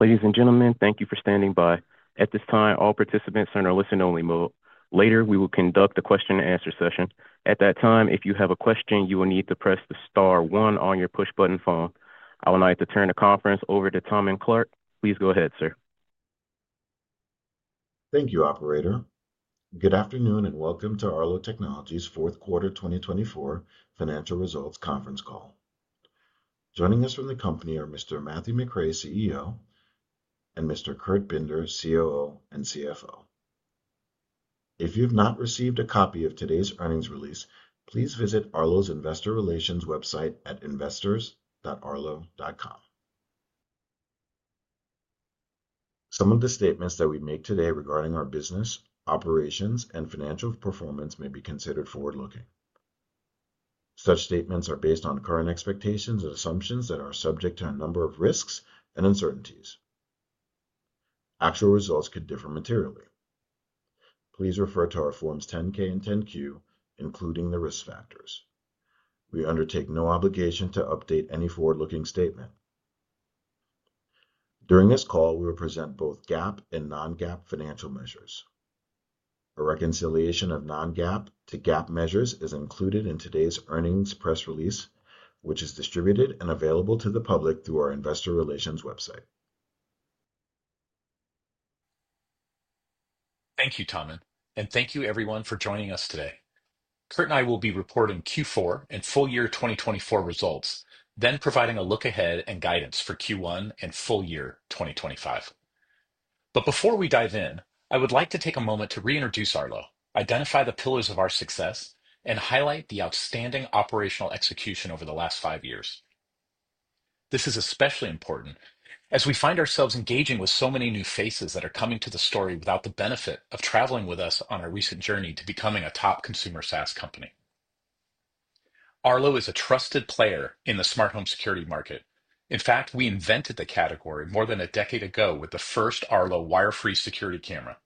Ladies and gentlemen, thank you for standing by. At this time, all participants are in a listen-only mode. Later, we will conduct the question-and-answer session. At that time, if you have a question, you will need to press the star one on your push-button phone. I will now turn the conference over to Tahmin Clarke. Please go ahead, sir. Thank you, Operator. Good afternoon and welcome to Arlo Technologies' Fourth Quarter 2024 Financial Results Conference Call. Joining us from the company are Mr. Matthew McRae, CEO, and Mr. Kurt Binder, COO and CFO. If you have not received a copy of today's earnings release, please visit Arlo's Investor Relations website at investors.arlo.com. Some of the statements that we make today regarding our business, operations, and financial performance may be considered forward-looking. Such statements are based on current expectations and assumptions that are subject to a number of risks and uncertainties. Actual results could differ materially. Please refer to our Forms 10-K and 10-Q, including the risk factors. We undertake no obligation to update any forward-looking statement. During this call, we will present both GAAP and non-GAAP financial measures. A reconciliation of non-GAAP to GAAP measures is included in today's earnings press release, which is distributed and available to the public through our Investor Relations website. Thank you, Tahmin, and thank you, everyone, for joining us today. Kurt and I will be reporting Q4 and full year 2024 results, then providing a look ahead and guidance for Q1 and full year 2025. Before we dive in, I would like to take a moment to reintroduce Arlo, identify the pillars of our success, and highlight the outstanding operational execution over the last five years. This is especially important as we find ourselves engaging with so many new faces that are coming to the story without the benefit of traveling with us on our recent journey to becoming a top consumer SaaS company. Arlo is a trusted player in the smart home security market. In fact, we invented the category more than a decade ago with the first Arlo wire-free security camera.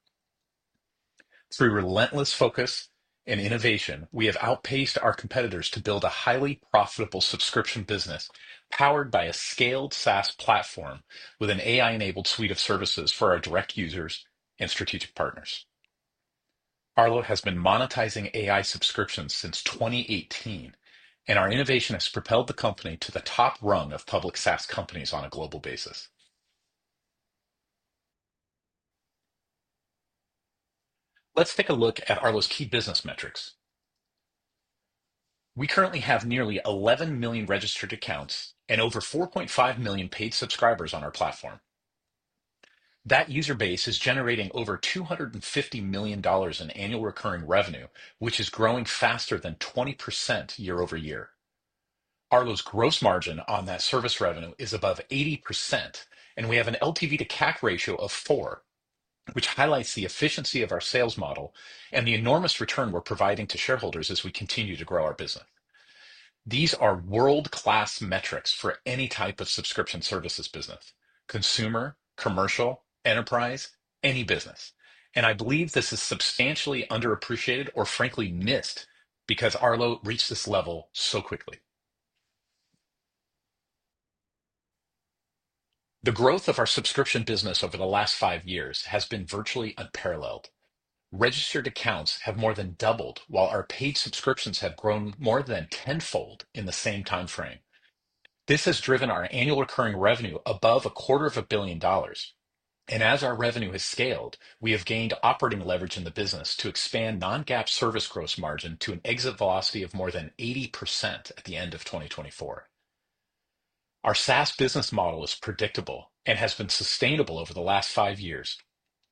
Through relentless focus and innovation, we have outpaced our competitors to build a highly profitable subscription business powered by a scaled SaaS platform with an AI-enabled suite of services for our direct users and strategic partners. Arlo has been monetizing AI subscriptions since 2018, and our innovation has propelled the company to the top rung of public SaaS companies on a global basis. Let's take a look at Arlo's key business metrics. We currently have nearly 11 million registered accounts and over 4.5 million paid subscribers on our platform. That user base is generating over $250 million in annual recurring revenue, which is growing faster than 20% year-over-year. Arlo's gross margin on that service revenue is above 80%, and we have an LTV to CAC ratio of 4, which highlights the efficiency of our sales model and the enormous return we're providing to shareholders as we continue to grow our business. These are world-class metrics for any type of subscription services business: consumer, commercial, enterprise, any business. I believe this is substantially underappreciated or, frankly, missed because Arlo reached this level so quickly. The growth of our subscription business over the last five years has been virtually unparalleled. Registered accounts have more than doubled, while our paid subscriptions have grown more than tenfold in the same time frame. This has driven our annual recurring revenue above a quarter of a billion dollars. As our revenue has scaled, we have gained operating leverage in the business to expand non-GAAP service gross margin to an exit velocity of more than 80% at the end of 2024. Our SaaS business model is predictable and has been sustainable over the last five years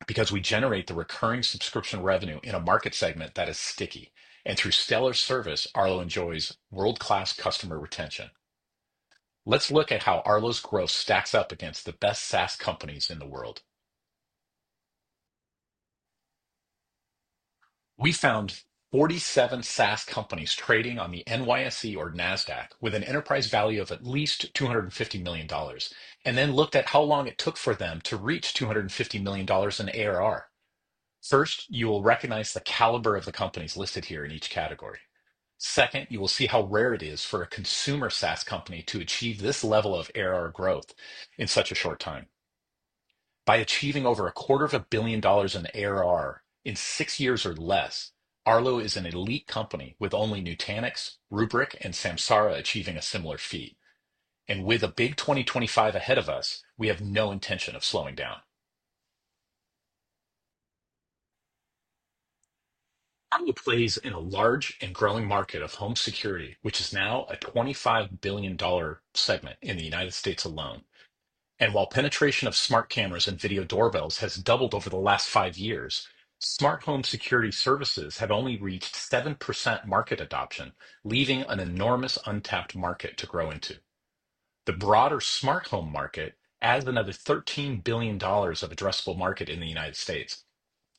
because we generate the recurring subscription revenue in a market segment that is sticky. Through stellar service, Arlo enjoys world-class customer retention. Let's look at how Arlo's growth stacks up against the best SaaS companies in the world. We found 47 SaaS companies trading on the NYSE or Nasdaq with an enterprise value of at least $250 million and then looked at how long it took for them to reach $250 million in ARR. First, you will recognize the caliber of the companies listed here in each category. Second, you will see how rare it is for a consumer SaaS company to achieve this level of ARR growth in such a short time. By achieving over a quarter of a billion dollars in ARR in six years or less, Arlo is an elite company with only Nutanix, Rubrik, and Samsara achieving a similar feat. With a big 2025 ahead of us, we have no intention of slowing down. Arlo plays in a large and growing market of home security, which is now a $25 billion segment in the United States alone. While penetration of smart cameras and video doorbells has doubled over the last five years, smart home security services have only reached 7% market adoption, leaving an enormous untapped market to grow into. The broader smart home market adds another $13 billion of addressable market in the United States.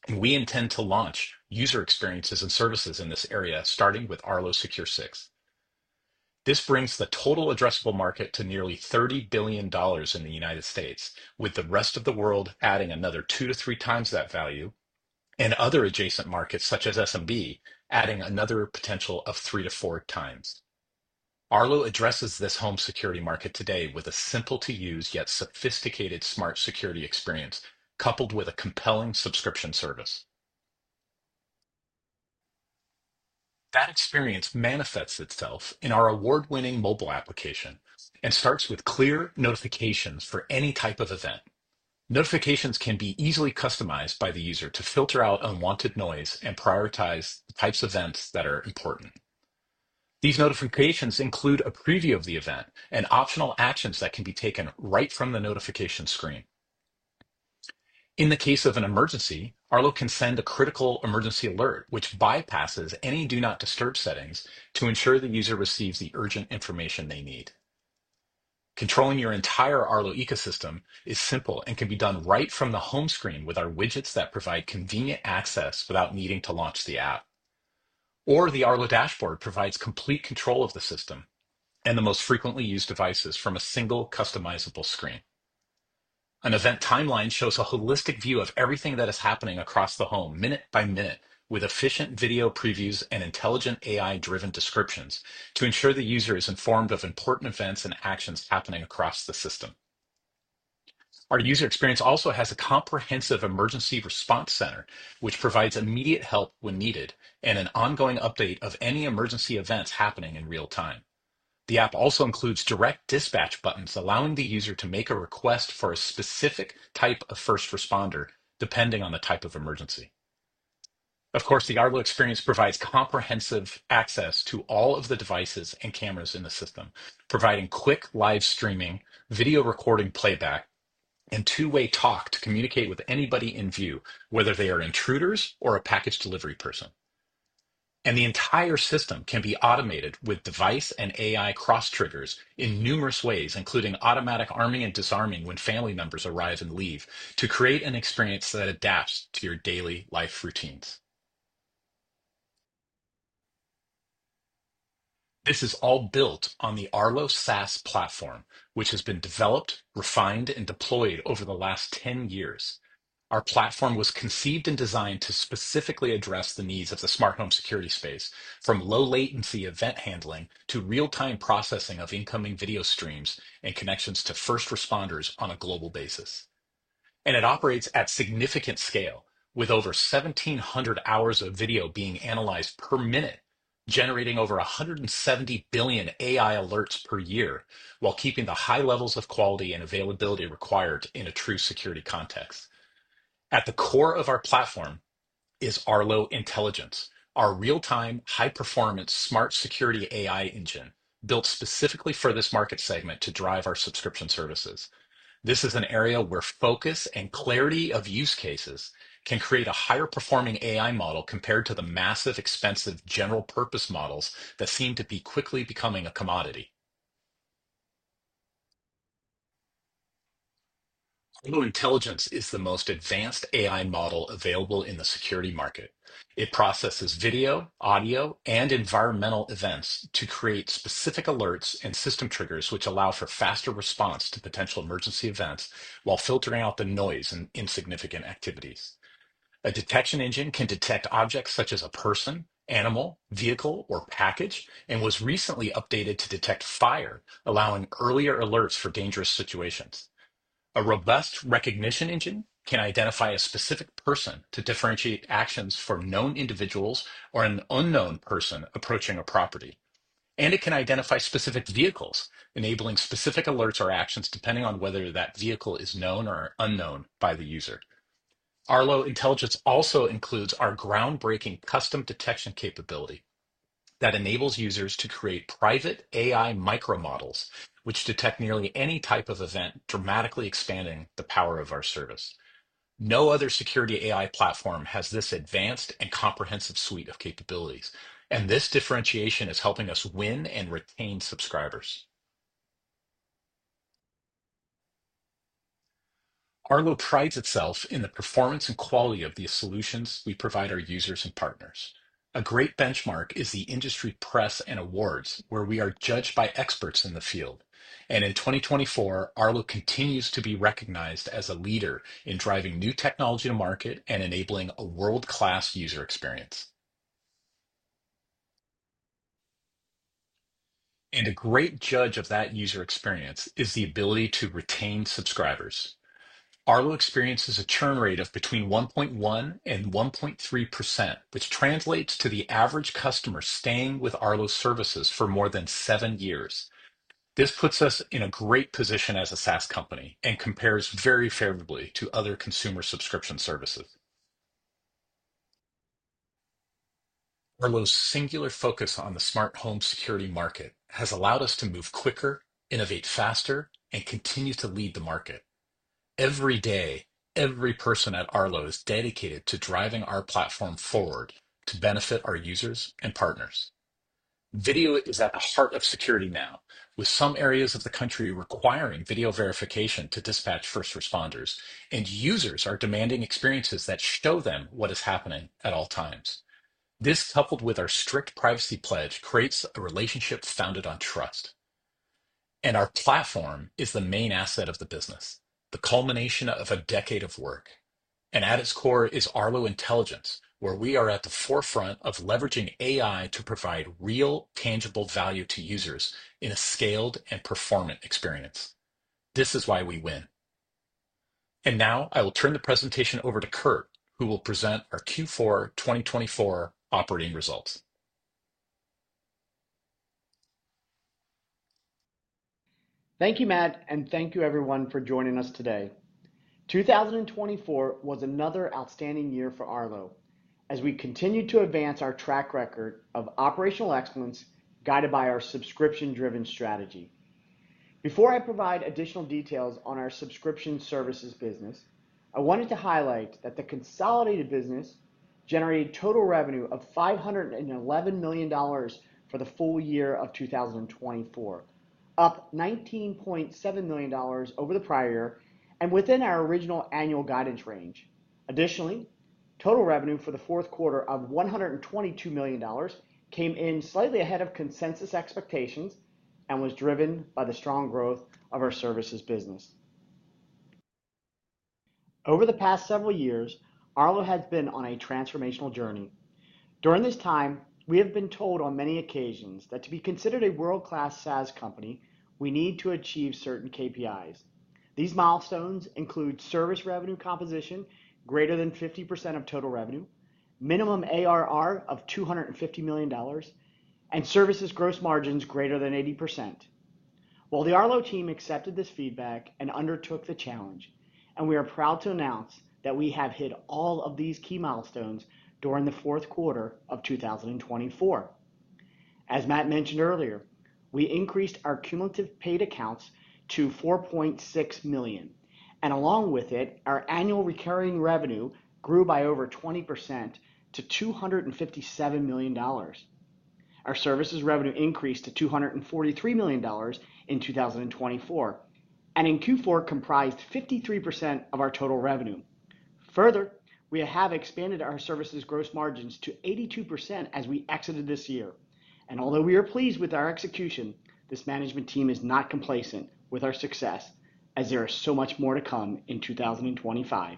We intend to launch user experiences and services in this area, starting with Arlo Secure 6. This brings the total addressable market to nearly $30 billion in the United States, with the rest of the world adding another two to three times that value, and other adjacent markets such as SMB adding another potential of three to four times. Arlo addresses this home security market today with a simple-to-use yet sophisticated smart security experience coupled with a compelling subscription service. That experience manifests itself in our award-winning mobile application and starts with clear notifications for any type of event. Notifications can be easily customized by the user to filter out unwanted noise and prioritize the types of events that are important. These notifications include a preview of the event and optional actions that can be taken right from the notification screen. In the case of an emergency, Arlo can send a critical emergency alert, which bypasses any do-not-disturb settings to ensure the user receives the urgent information they need. Controlling your entire Arlo ecosystem is simple and can be done right from the home screen with our widgets that provide convenient access without needing to launch the app. The Arlo dashboard provides complete control of the system and the most frequently used devices from a single customizable screen. An event timeline shows a holistic view of everything that is happening across the home minute by minute, with efficient video previews and intelligent AI-driven descriptions to ensure the user is informed of important events and actions happening across the system. Our user experience also has a comprehensive emergency response center, which provides immediate help when needed and an ongoing update of any emergency events happening in real time. The app also includes direct dispatch buttons, allowing the user to make a request for a specific type of first responder depending on the type of emergency. The Arlo experience provides comprehensive access to all of the devices and cameras in the system, providing quick live streaming, video recording playback, and two-way talk to communicate with anybody in view, whether they are intruders or a package delivery person. The entire system can be automated with device and AI cross triggers in numerous ways, including automatic arming and disarming when family members arrive and leave, to create an experience that adapts to your daily life routines. This is all built on the Arlo SaaS platform, which has been developed, refined, and deployed over the last 10 years. Our platform was conceived and designed to specifically address the needs of the smart home security space, from low-latency event handling to real-time processing of incoming video streams and connections to first responders on a global basis. It operates at significant scale, with over 1,700 hours of video being analyzed per minute, generating over 170 billion AI alerts per year while keeping the high levels of quality and availability required in a true security context. At the core of our platform is Arlo Intelligence, our real-time, high-performance smart security AI engine built specifically for this market segment to drive our subscription services. This is an area where focus and clarity of use cases can create a higher-performing AI model compared to the massive, expensive general-purpose models that seem to be quickly becoming a commodity. Arlo Intelligence is the most advanced AI model available in the security market. It processes video, audio, and environmental events to create specific alerts and system triggers, which allow for faster response to potential emergency events while filtering out the noise and insignificant activities. A detection engine can detect objects such as a person, animal, vehicle, or package, and was recently updated to detect fire, allowing earlier alerts for dangerous situations. A robust recognition engine can identify a specific person to differentiate actions for known individuals or an unknown person approaching a property. It can identify specific vehicles, enabling specific alerts or actions depending on whether that vehicle is known or unknown by the user. Arlo Intelligence also includes our groundbreaking custom detection capability that enables users to create private AI micro models, which detect nearly any type of event, dramatically expanding the power of our service. No other security AI platform has this advanced and comprehensive suite of capabilities, and this differentiation is helping us win and retain subscribers. Arlo prides itself in the performance and quality of the solutions we provide our users and partners. A great benchmark is the industry press and awards, where we are judged by experts in the field. In 2024, Arlo continues to be recognized as a leader in driving new technology to market and enabling a world-class user experience. A great judge of that user experience is the ability to retain subscribers. Arlo experiences a churn rate of between 1.1% and 1.3%, which translates to the average customer staying with Arlo services for more than seven years. This puts us in a great position as a SaaS company and compares very favorably to other consumer subscription services. Arlo's singular focus on the smart home security market has allowed us to move quicker, innovate faster, and continue to lead the market. Every day, every person at Arlo is dedicated to driving our platform forward to benefit our users and partners. Video is at the heart of security now, with some areas of the country requiring video verification to dispatch first responders, and users are demanding experiences that show them what is happening at all times. This, coupled with our strict privacy pledge, creates a relationship founded on trust. Our platform is the main asset of the business, the culmination of a decade of work. At its core is Arlo Intelligence, where we are at the forefront of leveraging AI to provide real, tangible value to users in a scaled and performant experience. This is why we win. I will turn the presentation over to Kurt, who will present our Q4 2024 operating results. Thank you, Matt, and thank you, everyone, for joining us today. 2024 was another outstanding year for Arlo as we continued to advance our track record of operational excellence guided by our subscription-driven strategy. Before I provide additional details on our subscription services business, I wanted to highlight that the consolidated business generated total revenue of $511 million for the full year of 2024, up $19.7 million over the prior year and within our original annual guidance range. Additionally, total revenue for the fourth quarter of $122 million came in slightly ahead of consensus expectations and was driven by the strong growth of our services business. Over the past several years, Arlo has been on a transformational journey. During this time, we have been told on many occasions that to be considered a world-class SaaS company, we need to achieve certain KPIs. These milestones include service revenue composition greater than 50% of total revenue, minimum ARR of $250 million, and services gross margins greater than 80%. While the Arlo team accepted this feedback and undertook the challenge, we are proud to announce that we have hit all of these key milestones during the fourth quarter of 2024. As Matt mentioned earlier, we increased our cumulative paid accounts to 4.6 million. Along with it, our annual recurring revenue grew by over 20% to $257 million. Our services revenue increased to $243 million in 2024 and in Q4 comprised 53% of our total revenue. Further, we have expanded our services gross margins to 82% as we exited this year. Although we are pleased with our execution, this management team is not complacent with our success as there is so much more to come in 2025.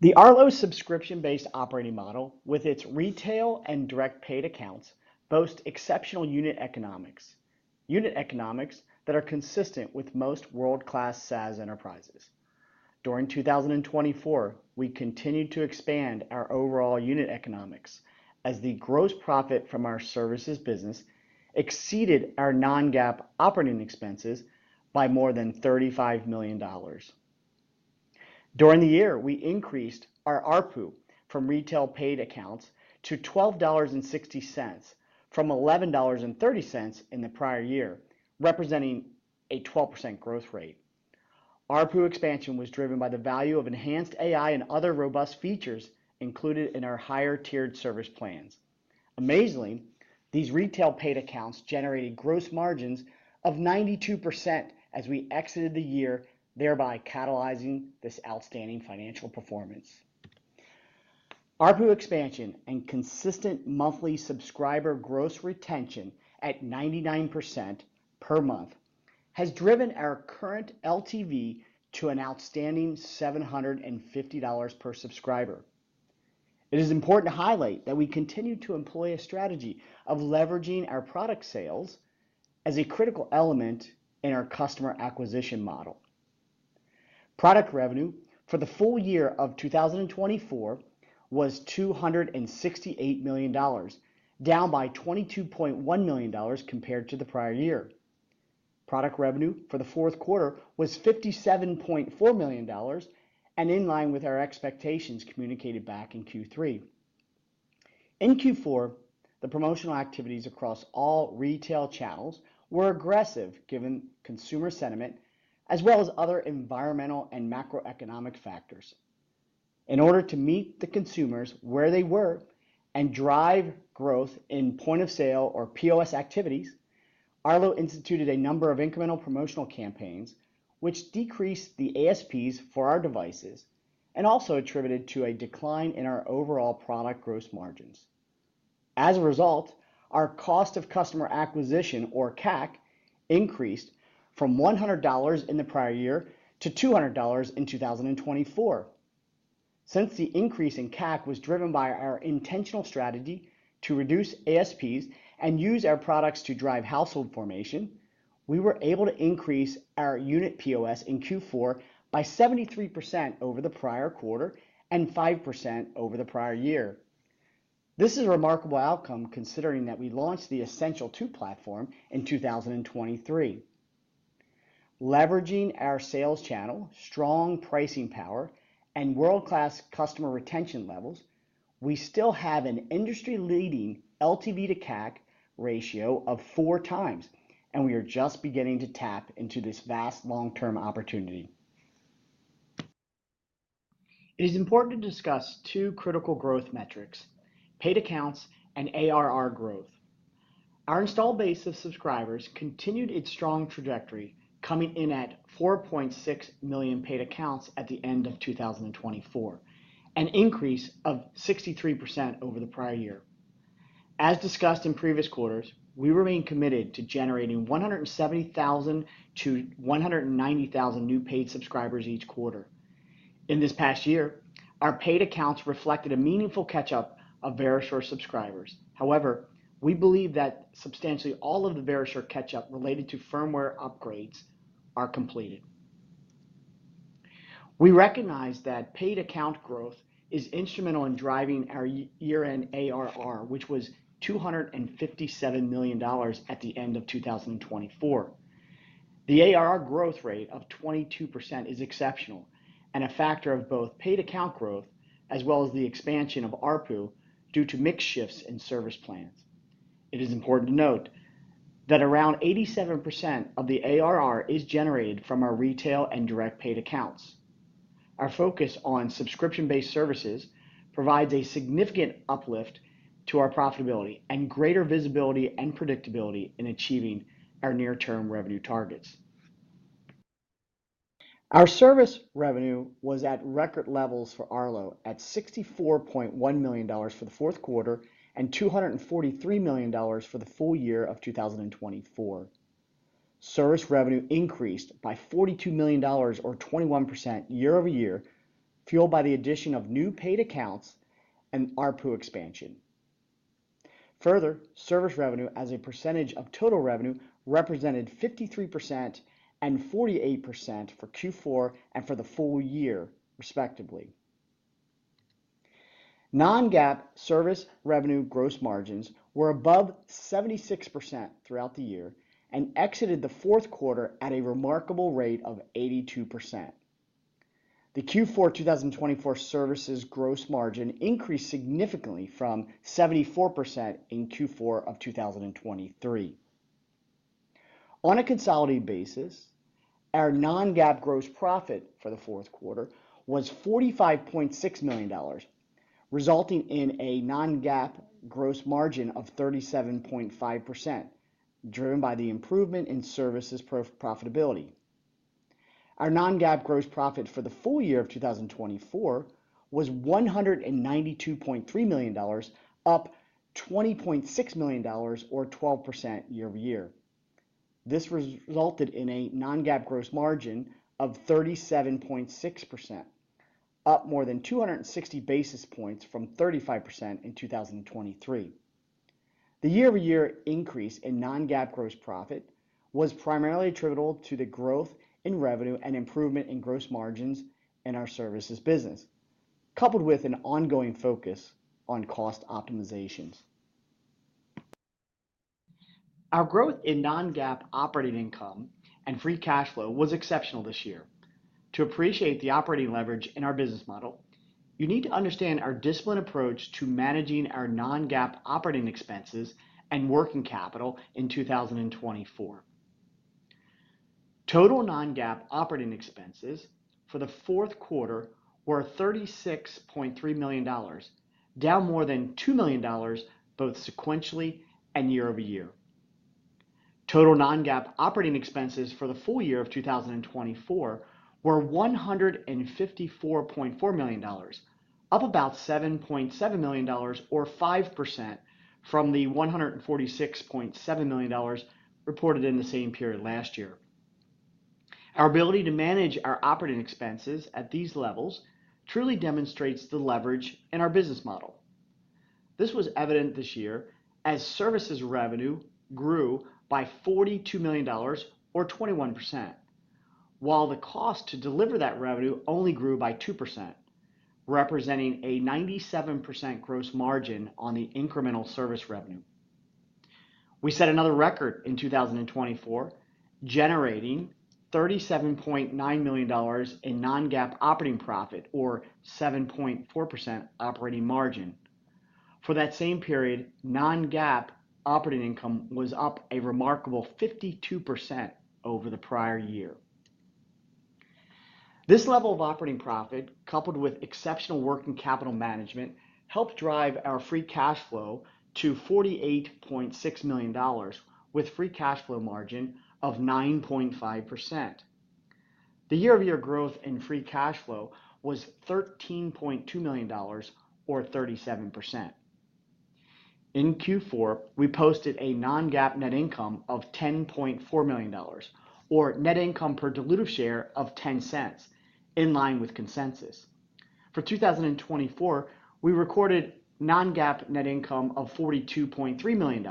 The Arlo subscription-based operating model, with its retail and direct paid accounts, boasts exceptional unit economics, unit economics that are consistent with most world-class SaaS enterprises. During 2024, we continued to expand our overall unit economics as the gross profit from our services business exceeded our non-GAAP operating expenses by more than $35 million. During the year, we increased our ARPU from retail paid accounts to $12.60 from $11.30 in the prior year, representing a 12% growth rate. ARPU expansion was driven by the value of enhanced AI and other robust features included in our higher-tiered service plans. Amazingly, these retail paid accounts generated gross margins of 92% as we exited the year, thereby catalyzing this outstanding financial performance. ARPU expansion and consistent monthly subscriber gross retention at 99% per month has driven our current LTV to an outstanding $750 per subscriber. It is important to highlight that we continue to employ a strategy of leveraging our product sales as a critical element in our customer acquisition model. Product revenue for the full year of 2024 was $268 million, down by $22.1 million compared to the prior year. Product revenue for the fourth quarter was $57.4 million, and in line with our expectations communicated back in Q3. In Q4, the promotional activities across all retail channels were aggressive given consumer sentiment as well as other environmental and macroeconomic factors. In order to meet the consumers where they were and drive growth in point of sale or POS activities, Arlo instituted a number of incremental promotional campaigns, which decreased the ASPs for our devices and also attributed to a decline in our overall product gross margins. As a result, our cost of customer acquisition, or CAC, increased from $100 in the prior year to $200 in 2024. Since the increase in CAC was driven by our intentional strategy to reduce ASPs and use our products to drive household formation, we were able to increase our unit POS in Q4 by 73% over the prior quarter and 5% over the prior year. This is a remarkable outcome considering that we launched the Essential 2 platform in 2023. Leveraging our sales channel, strong pricing power, and world-class customer retention levels, we still have an industry-leading LTV to CAC ratio of four times, and we are just beginning to tap into this vast long-term opportunity. It is important to discuss two critical growth metrics: paid accounts and ARR growth. Our installed base of subscribers continued its strong trajectory, coming in at 4.6 million paid accounts at the end of 2024, an increase of 63% over the prior year. As discussed in previous quarters, we remain committed to generating 170,000-190,000 new paid subscribers each quarter. In this past year, our paid accounts reflected a meaningful catch-up of Verisure subscribers. However, we believe that substantially all of the Verisure catch-up related to firmware upgrades are completed. We recognize that paid account growth is instrumental in driving our year-end ARR, which was $257 million at the end of 2024. The ARR growth rate of 22% is exceptional and a factor of both paid account growth as well as the expansion of ARPU due to mixed shifts in service plans. It is important to note that around 87% of the ARR is generated from our retail and direct paid accounts. Our focus on subscription-based services provides a significant uplift to our profitability and greater visibility and predictability in achieving our near-term revenue targets. Our service revenue was at record levels for Arlo at $64.1 million for the fourth quarter and $243 million for the full year of 2024. Service revenue increased by $42 million, or 21% year-over-year, fueled by the addition of new paid accounts and ARPU expansion. Further, service revenue as a percentage of total revenue represented 53% and 48% for Q4 and for the full year, respectively. Non-GAAP service revenue gross margins were above 76% throughout the year and exited the fourth quarter at a remarkable rate of 82%. The Q4 2024 services gross margin increased significantly from 74% in Q4 of 2023. On a consolidated basis, our non-GAAP gross profit for the fourth quarter was $45.6 million, resulting in a non-GAAP gross margin of 37.5%, driven by the improvement in services profitability. Our non-GAAP gross profit for the full year of 2024 was $192.3 million, up $20.6 million, or 12% year-over-year. This resulted in a non-GAAP gross margin of 37.6%, up more than 260 basis points from 35% in 2023. The year-over-year increase in non-GAAP gross profit was primarily attributable to the growth in revenue and improvement in gross margins in our services business, coupled with an ongoing focus on cost optimizations. Our growth in non-GAAP operating income and free cash flow was exceptional this year. To appreciate the operating leverage in our business model, you need to understand our disciplined approach to managing our non-GAAP operating expenses and working capital in 2024. Total non-GAAP operating expenses for the fourth quarter were $36.3 million, down more than $2 million both sequentially and year-over-year. Total non-GAAP operating expenses for the full year of 2024 were $154.4 million, up about $7.7 million, or 5% from the $146.7 million reported in the same period last year. Our ability to manage our operating expenses at these levels truly demonstrates the leverage in our business model. This was evident this year as services revenue grew by $42 million, or 21%, while the cost to deliver that revenue only grew by 2%, representing a 97% gross margin on the incremental service revenue. We set another record in 2024, generating $37.9 million in non-GAAP operating profit, or 7.4% operating margin. For that same period, non-GAAP operating income was up a remarkable 52% over the prior year. This level of operating profit, coupled with exceptional working capital management, helped drive our free cash flow to $48.6 million, with free cash flow margin of 9.5%. The year-over-year growth in free cash flow was $13.2 million, or 37%. In Q4, we posted a non-GAAP net income of $10.4 million, or net income per diluted share of $0.10, in line with consensus. For 2024, we recorded non-GAAP net income of $42.3 million,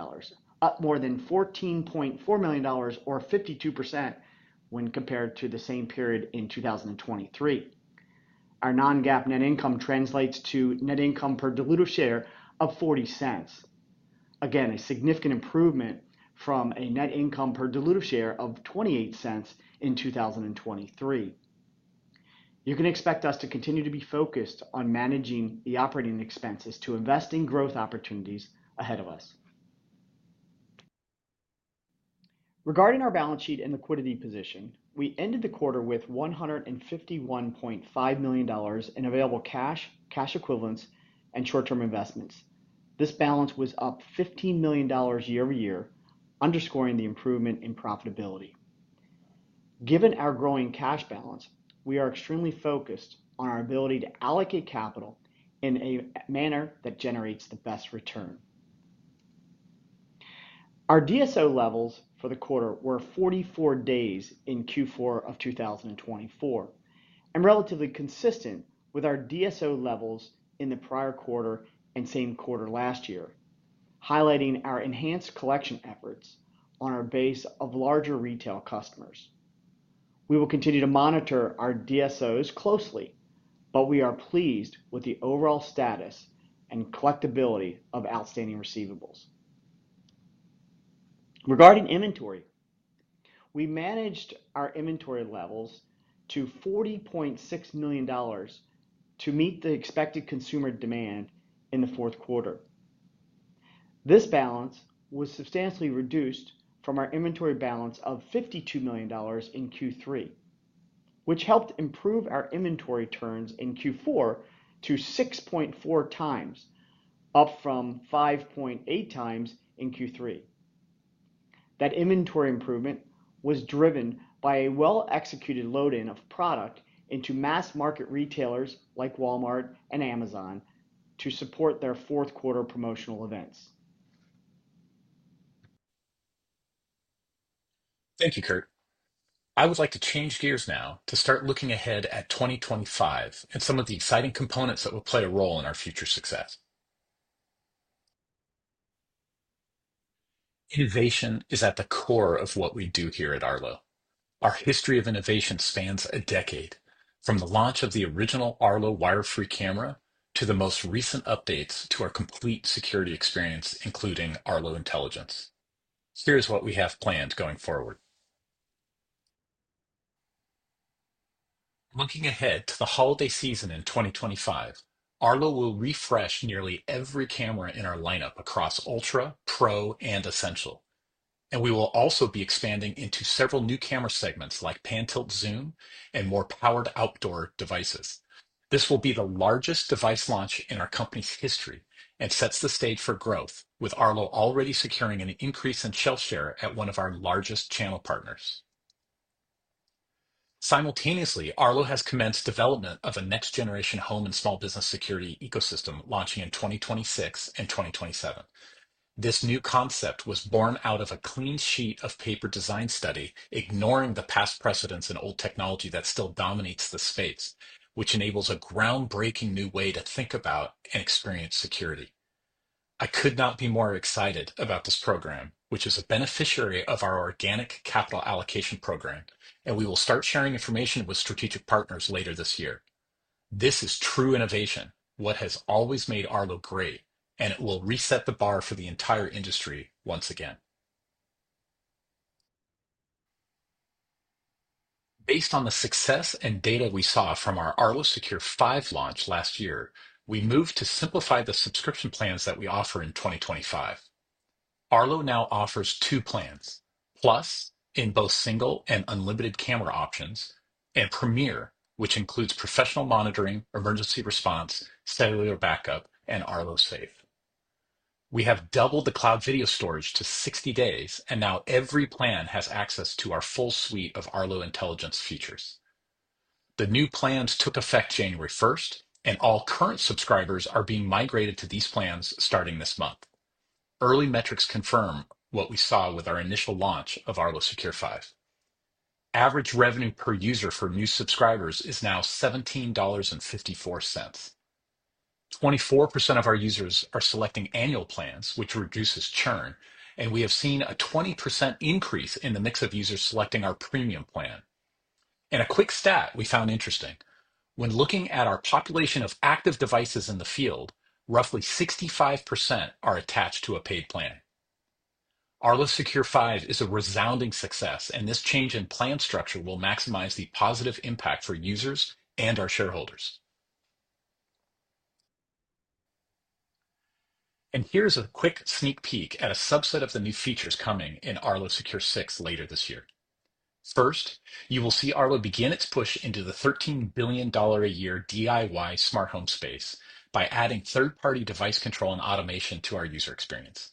up more than $14.4 million, or 52%, when compared to the same period in 2023. Our non-GAAP net income translates to net income per diluted share of $0.40, again a significant improvement from a net income per diluted share of $0.28 in 2023. You can expect us to continue to be focused on managing the operating expenses to invest in growth opportunities ahead of us. Regarding our balance sheet and liquidity position, we ended the quarter with $151.5 million in available cash, cash equivalents, and short-term investments. This balance was up $15 million year-over-year, underscoring the improvement in profitability. Given our growing cash balance, we are extremely focused on our ability to allocate capital in a manner that generates the best return. Our DSO levels for the quarter were 44 days in Q4 of 2024 and relatively consistent with our DSO levels in the prior quarter and same quarter last year, highlighting our enhanced collection efforts on our base of larger retail customers. We will continue to monitor our DSOs closely, but we are pleased with the overall status and collectibility of outstanding receivables. Regarding inventory, we managed our inventory levels to $40.6 million to meet the expected consumer demand in the fourth quarter. This balance was substantially reduced from our inventory balance of $52 million in Q3, which helped improve our inventory turns in Q4 to 6.4 times, up from 5.8 times in Q3. That inventory improvement was driven by a well-executed load-in of product into mass market retailers like Walmart and Amazon to support their fourth quarter promotional events. Thank you, Kurt. I would like to change gears now to start looking ahead at 2025 and some of the exciting components that will play a role in our future success. Innovation is at the core of what we do here at Arlo. Our history of innovation spans a decade, from the launch of the original Arlo wire-free camera to the most recent updates to our complete security experience, including Arlo Intelligence. Here's what we have planned going forward. Looking ahead to the holiday season in 2025, Arlo will refresh nearly every camera in our lineup across Ultra, Pro, and Essential, and we will also be expanding into several new camera segments like pan-tilt-zoom and more powered outdoor devices. This will be the largest device launch in our company's history and sets the stage for growth, with Arlo already securing an increase in shelf share at one of our largest channel partners. Simultaneously, Arlo has commenced development of a next-generation home and small business security ecosystem launching in 2026 and 2027. This new concept was born out of a clean sheet of paper design study, ignoring the past precedents and old technology that still dominates the space, which enables a groundbreaking new way to think about and experience security. I could not be more excited about this program, which is a beneficiary of our organic capital allocation program, and we will start sharing information with strategic partners later this year. This is true innovation, what has always made Arlo great, and it will reset the bar for the entire industry once again. Based on the success and data we saw from our Arlo Secure 5 launch last year, we moved to simplify the subscription plans that we offer in 2025. Arlo now offers two plans: Plus, in both single and unlimited camera options, and Premiere, which includes professional monitoring, emergency response, cellular backup, and Arlo Safe. We have doubled the cloud video storage to 60 days, and now every plan has access to our full suite of Arlo Intelligence features. The new plans took effect January 1st, and all current subscribers are being migrated to these plans starting this month. Early metrics confirm what we saw with our initial launch of Arlo Secure 5. Average revenue per user for new subscribers is now $17.54. 24% of our users are selecting annual plans, which reduces churn, and we have seen a 20% increase in the mix of users selecting our premium plan. A quick stat we found interesting: when looking at our population of active devices in the field, roughly 65% are attached to a paid plan. Arlo Secure 5 is a resounding success, and this change in plan structure will maximize the positive impact for users and our shareholders. Here is a quick sneak peek at a subset of the new features coming in Arlo Secure 6 later this year. First, you will see Arlo begin its push into the $13 billion a year DIY smart home space by adding third-party device control and automation to our user experience.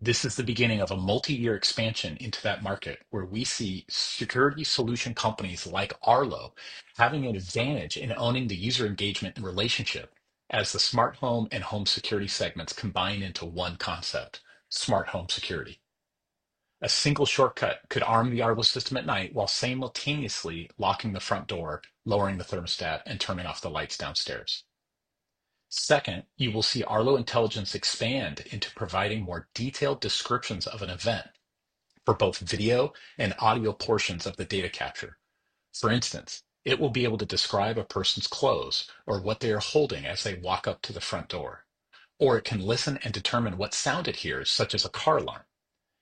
This is the beginning of a multi-year expansion into that market where we see security solution companies like Arlo having an advantage in owning the user engagement and relationship as the smart home and home security segments combine into one concept: smart home security. A single shortcut could arm the Arlo system at night while simultaneously locking the front door, lowering the thermostat, and turning off the lights downstairs. Second, you will see Arlo Intelligence expand into providing more detailed descriptions of an event for both video and audio portions of the data capture. For instance, it will be able to describe a person's clothes or what they are holding as they walk up to the front door, or it can listen and determine what sound it hears, such as a car alarm,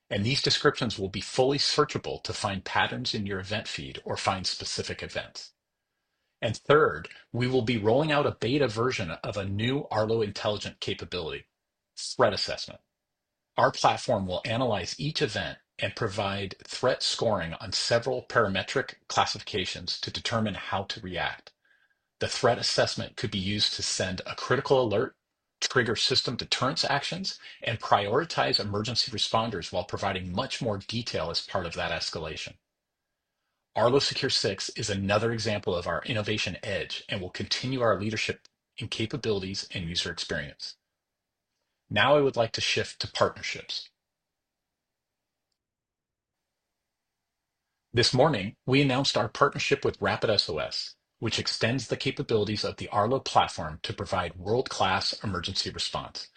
and these descriptions will be fully searchable to find patterns in your event feed or find specific events. Third, we will be rolling out a beta version of a new Arlo Intelligence capability, threat assessment. Our platform will analyze each event and provide threat scoring on several parametric classifications to determine how to react. The threat assessment could be used to send a critical alert, trigger system deterrence actions, and prioritize emergency responders while providing much more detail as part of that escalation. Arlo Secure 6 is another example of our innovation edge and will continue our leadership in capabilities and user experience. Now I would like to shift to partnerships. This morning, we announced our partnership with RapidSOS, which extends the capabilities of the Arlo platform to provide world-class emergency response.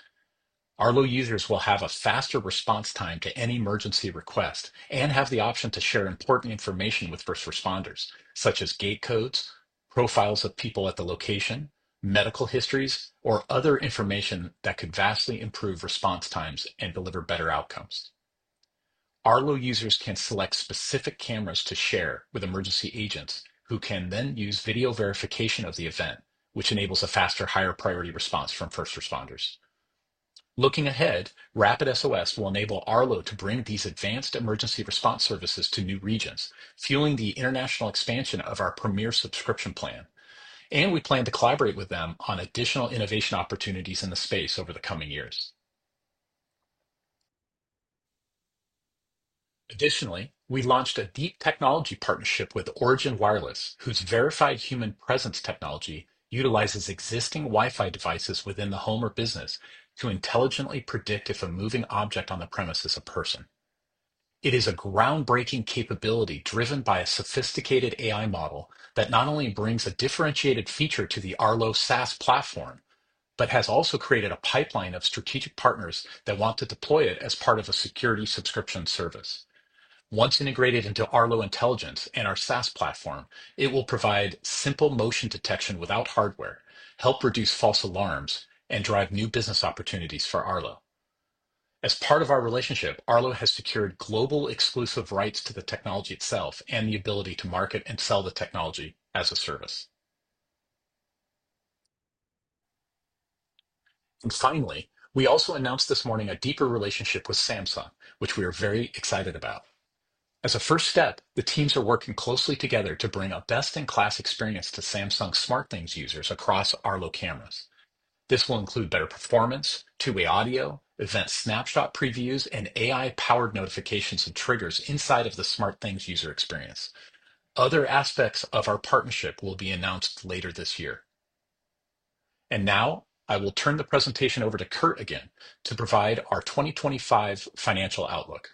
Arlo users will have a faster response time to any emergency request and have the option to share important information with first responders, such as gate codes, profiles of people at the location, medical histories, or other information that could vastly improve response times and deliver better outcomes. Arlo users can select specific cameras to share with emergency agents, who can then use video verification of the event, which enables a faster, higher-priority response from first responders. Looking ahead, RapidSOS will enable Arlo to bring these advanced emergency response services to new regions, fueling the international expansion of our Premier subscription plan, and we plan to collaborate with them on additional innovation opportunities in the space over the coming years. Additionally, we launched a deep technology partnership with Origin Wireless, whose verified human presence technology utilizes existing Wi-Fi devices within the home or business to intelligently predict if a moving object on the premise is a person. It is a groundbreaking capability driven by a sophisticated AI model that not only brings a differentiated feature to the Arlo SaaS platform, but has also created a pipeline of strategic partners that want to deploy it as part of a security subscription service. Once integrated into Arlo Intelligence and our SaaS platform, it will provide simple motion detection without hardware, help reduce false alarms, and drive new business opportunities for Arlo. As part of our relationship, Arlo has secured global exclusive rights to the technology itself and the ability to market and sell the technology as a service. Finally, we also announced this morning a deeper relationship with Samsung, which we are very excited about. As a first step, the teams are working closely together to bring a best-in-class experience to Samsung SmartThings users across Arlo cameras. This will include better performance, two-way audio, event snapshot previews, and AI-powered notifications and triggers inside of the SmartThings user experience. Other aspects of our partnership will be announced later this year. Now I will turn the presentation over to Kurt again to provide our 2025 financial outlook.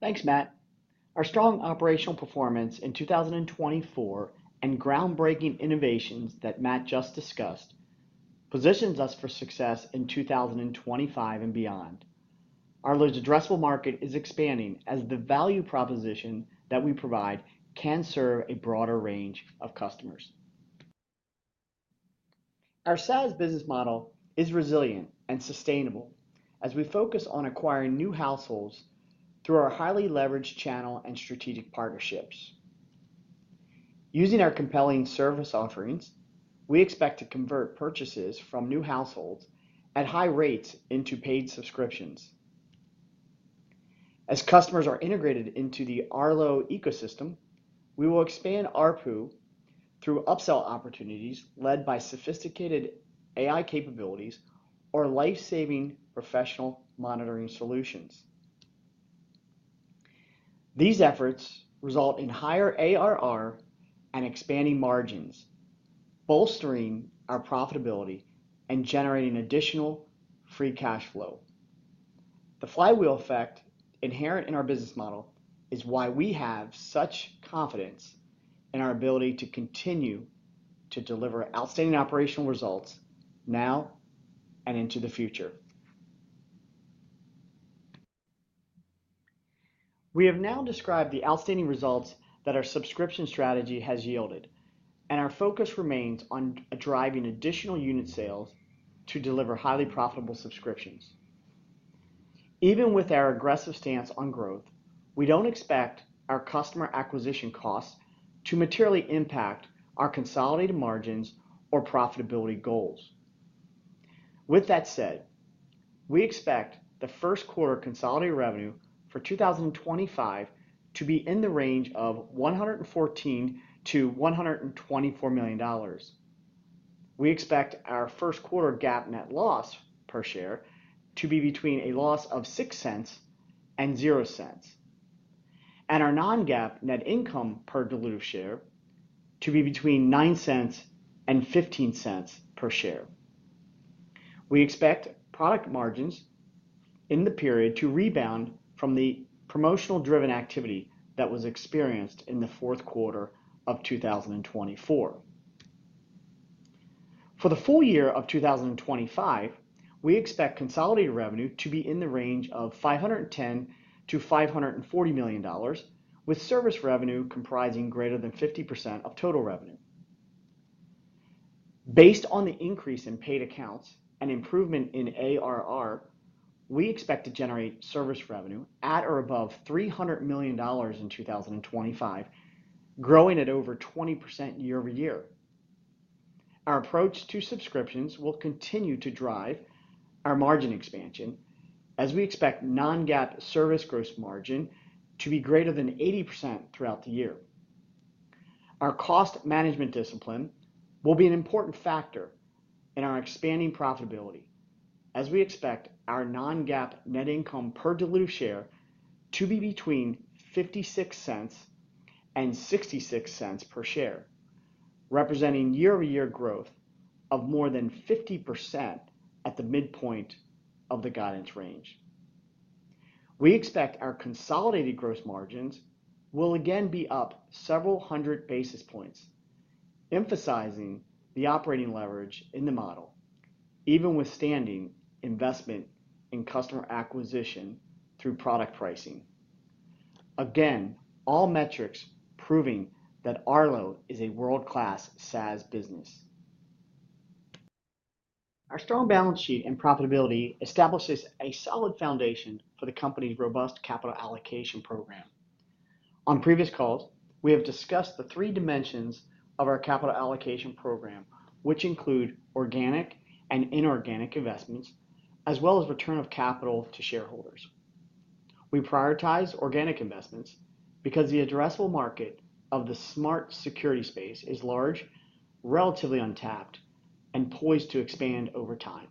Thanks, Matt. Our strong operational performance in 2024 and groundbreaking innovations that Matt just discussed positions us for success in 2025 and beyond. Arlo's addressable market is expanding as the value proposition that we provide can serve a broader range of customers. Our SaaS business model is resilient and sustainable as we focus on acquiring new households through our highly leveraged channel and strategic partnerships. Using our compelling service offerings, we expect to convert purchases from new households at high rates into paid subscriptions. As customers are integrated into the Arlo ecosystem, we will expand our pool through upsell opportunities led by sophisticated AI capabilities or life-saving professional monitoring solutions. These efforts result in higher ARR and expanding margins, bolstering our profitability and generating additional free cash flow. The flywheel effect inherent in our business model is why we have such confidence in our ability to continue to deliver outstanding operational results now and into the future. We have now described the outstanding results that our subscription strategy has yielded, and our focus remains on driving additional unit sales to deliver highly profitable subscriptions. Even with our aggressive stance on growth, we don't expect our customer acquisition costs to materially impact our consolidated margins or profitability goals. With that said, we expect the first quarter consolidated revenue for 2025 to be in the range of $114 million-$124 million. We expect our first quarter GAAP net loss per share to be between a loss of $0.06 and $0.00, and our non-GAAP net income per diluted share to be between $0.09 and $0.15 per share. We expect product margins in the period to rebound from the promotional-driven activity that was experienced in the fourth quarter of 2024. For the full year of 2025, we expect consolidated revenue to be in the range of $510 million-$540 million, with service revenue comprising greater than 50% of total revenue. Based on the increase in paid accounts and improvement in ARR, we expect to generate service revenue at or above $300 million in 2025, growing at over 20% year-over-year. Our approach to subscriptions will continue to drive our margin expansion as we expect non-GAAP service gross margin to be greater than 80% throughout the year. Our cost management discipline will be an important factor in our expanding profitability as we expect our non-GAAP net income per diluted share to be between $0.56 and $0.66 per share, representing year-over-year growth of more than 50% at the midpoint of the guidance range. We expect our consolidated gross margins will again be up several hundred basis points, emphasizing the operating leverage in the model, even withstanding investment in customer acquisition through product pricing. Again, all metrics proving that Arlo is a world-class SaaS business. Our strong balance sheet and profitability establishes a solid foundation for the company's robust capital allocation program. On previous calls, we have discussed the three dimensions of our capital allocation program, which include organic and inorganic investments, as well as return of capital to shareholders. We prioritize organic investments because the addressable market of the smart security space is large, relatively untapped, and poised to expand over time.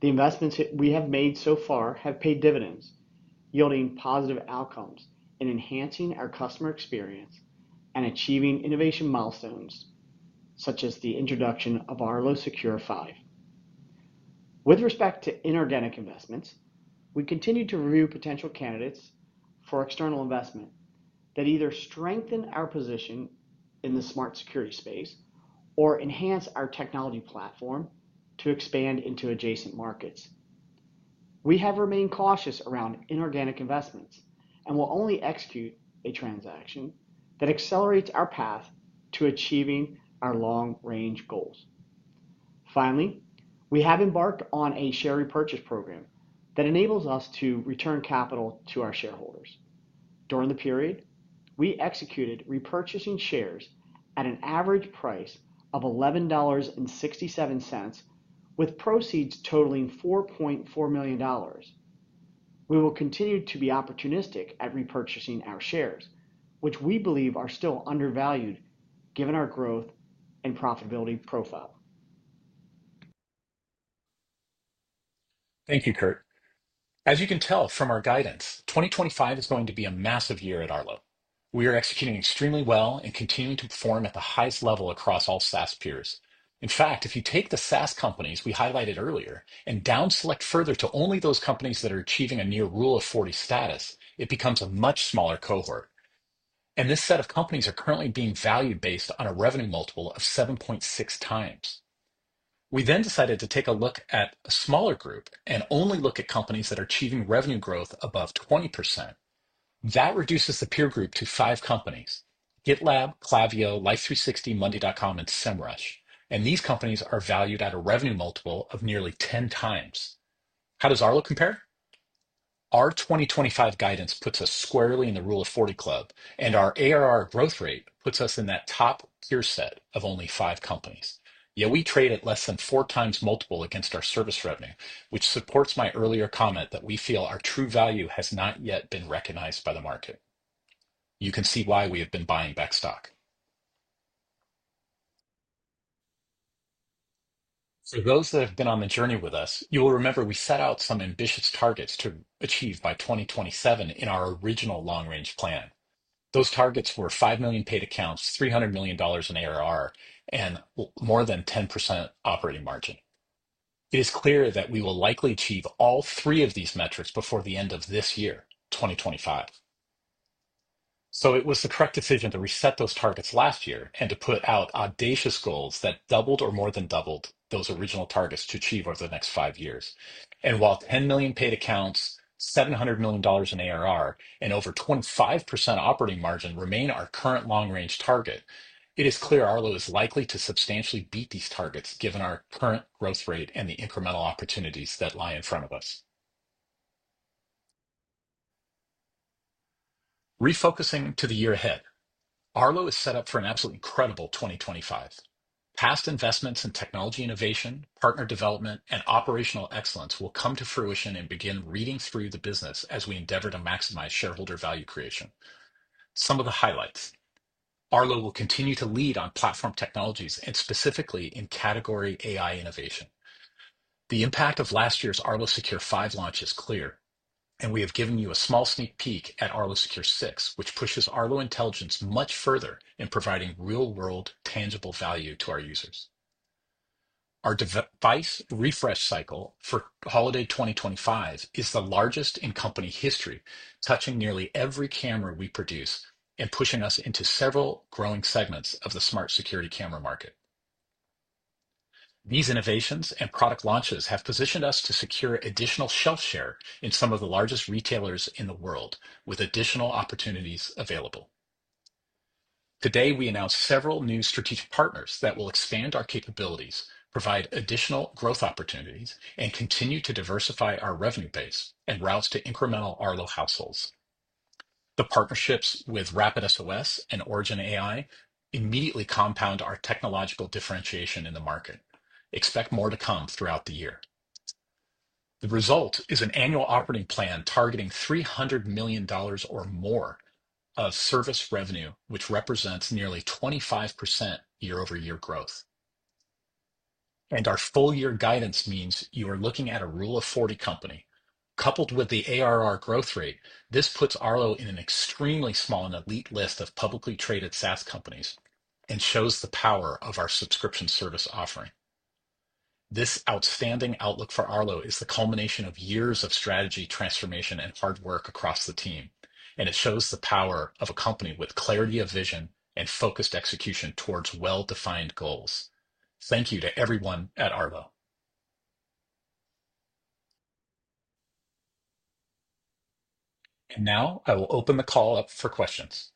The investments we have made so far have paid dividends, yielding positive outcomes in enhancing our customer experience and achieving innovation milestones such as the introduction of Arlo Secure 5. With respect to inorganic investments, we continue to review potential candidates for external investment that either strengthen our position in the smart security space or enhance our technology platform to expand into adjacent markets. We have remained cautious around inorganic investments and will only execute a transaction that accelerates our path to achieving our long-range goals. Finally, we have embarked on a share repurchase program that enables us to return capital to our shareholders. During the period, we executed repurchasing shares at an average price of $11.67, with proceeds totaling $4.4 million. We will continue to be opportunistic at repurchasing our shares, which we believe are still undervalued given our growth and profitability profile. Thank you, Kurt. As you can tell from our guidance, 2025 is going to be a massive year at Arlo. We are executing extremely well and continuing to perform at the highest level across all SaaS peers. In fact, if you take the SaaS companies we highlighted earlier and downselect further to only those companies that are achieving a near Rule of 40 status, it becomes a much smaller cohort. This set of companies are currently being valued based on a revenue multiple of 7.6 times. We then decided to take a look at a smaller group and only look at companies that are achieving revenue growth above 20%. That reduces the peer group to five companies: GitLab, Klaviyo, Life360, Monday.com, and Semrush. These companies are valued at a revenue multiple of nearly 10 times. How does Arlo compare? Our 2025 guidance puts us squarely in the Rule of 40 club, and our ARR growth rate puts us in that top tier set of only five companies. Yet we trade at less than four times multiple against our service revenue, which supports my earlier comment that we feel our true value has not yet been recognized by the market. You can see why we have been buying back stock. For those that have been on the journey with us, you will remember we set out some ambitious targets to achieve by 2027 in our original long-range plan. Those targets were 5 million paid accounts, $300 million in ARR, and more than 10% operating margin. It is clear that we will likely achieve all three of these metrics before the end of this year, 2025. It was the correct decision to reset those targets last year and to put out audacious goals that doubled or more than doubled those original targets to achieve over the next five years. While 10 million paid accounts, $700 million in ARR, and over 25% operating margin remain our current long-range target, it is clear Arlo is likely to substantially beat these targets given our current growth rate and the incremental opportunities that lie in front of us. Refocusing to the year ahead, Arlo is set up for an absolutely incredible 2025. Past investments in technology innovation, partner development, and operational excellence will come to fruition and begin reading through the business as we endeavor to maximize shareholder value creation. Some of the highlights: Arlo will continue to lead on platform technologies and specifically in category AI innovation. The impact of last year's Arlo Secure 5 launch is clear, and we have given you a small sneak peek at Arlo Secure 6, which pushes Arlo Intelligence much further in providing real-world tangible value to our users. Our device refresh cycle for Holiday 2025 is the largest in company history, touching nearly every camera we produce and pushing us into several growing segments of the smart security camera market. These innovations and product launches have positioned us to secure additional shelf share in some of the largest retailers in the world, with additional opportunities available. Today, we announced several new strategic partners that will expand our capabilities, provide additional growth opportunities, and continue to diversify our revenue base and routes to incremental Arlo households. The partnerships with RapidSOS and Origin AI immediately compound our technological differentiation in the market. Expect more to come throughout the year. The result is an annual operating plan targeting $300 million or more of service revenue, which represents nearly 25% year-over-year growth. Our full-year guidance means you are looking at a Rule of 40 company. Coupled with the ARR growth rate, this puts Arlo in an extremely small and elite list of publicly traded SaaS companies and shows the power of our subscription service offering. This outstanding outlook for Arlo is the culmination of years of strategy transformation and hard work across the team, and it shows the power of a company with clarity of vision and focused execution towards well-defined goals. Thank you to everyone at Arlo. Now I will open the call up for questions.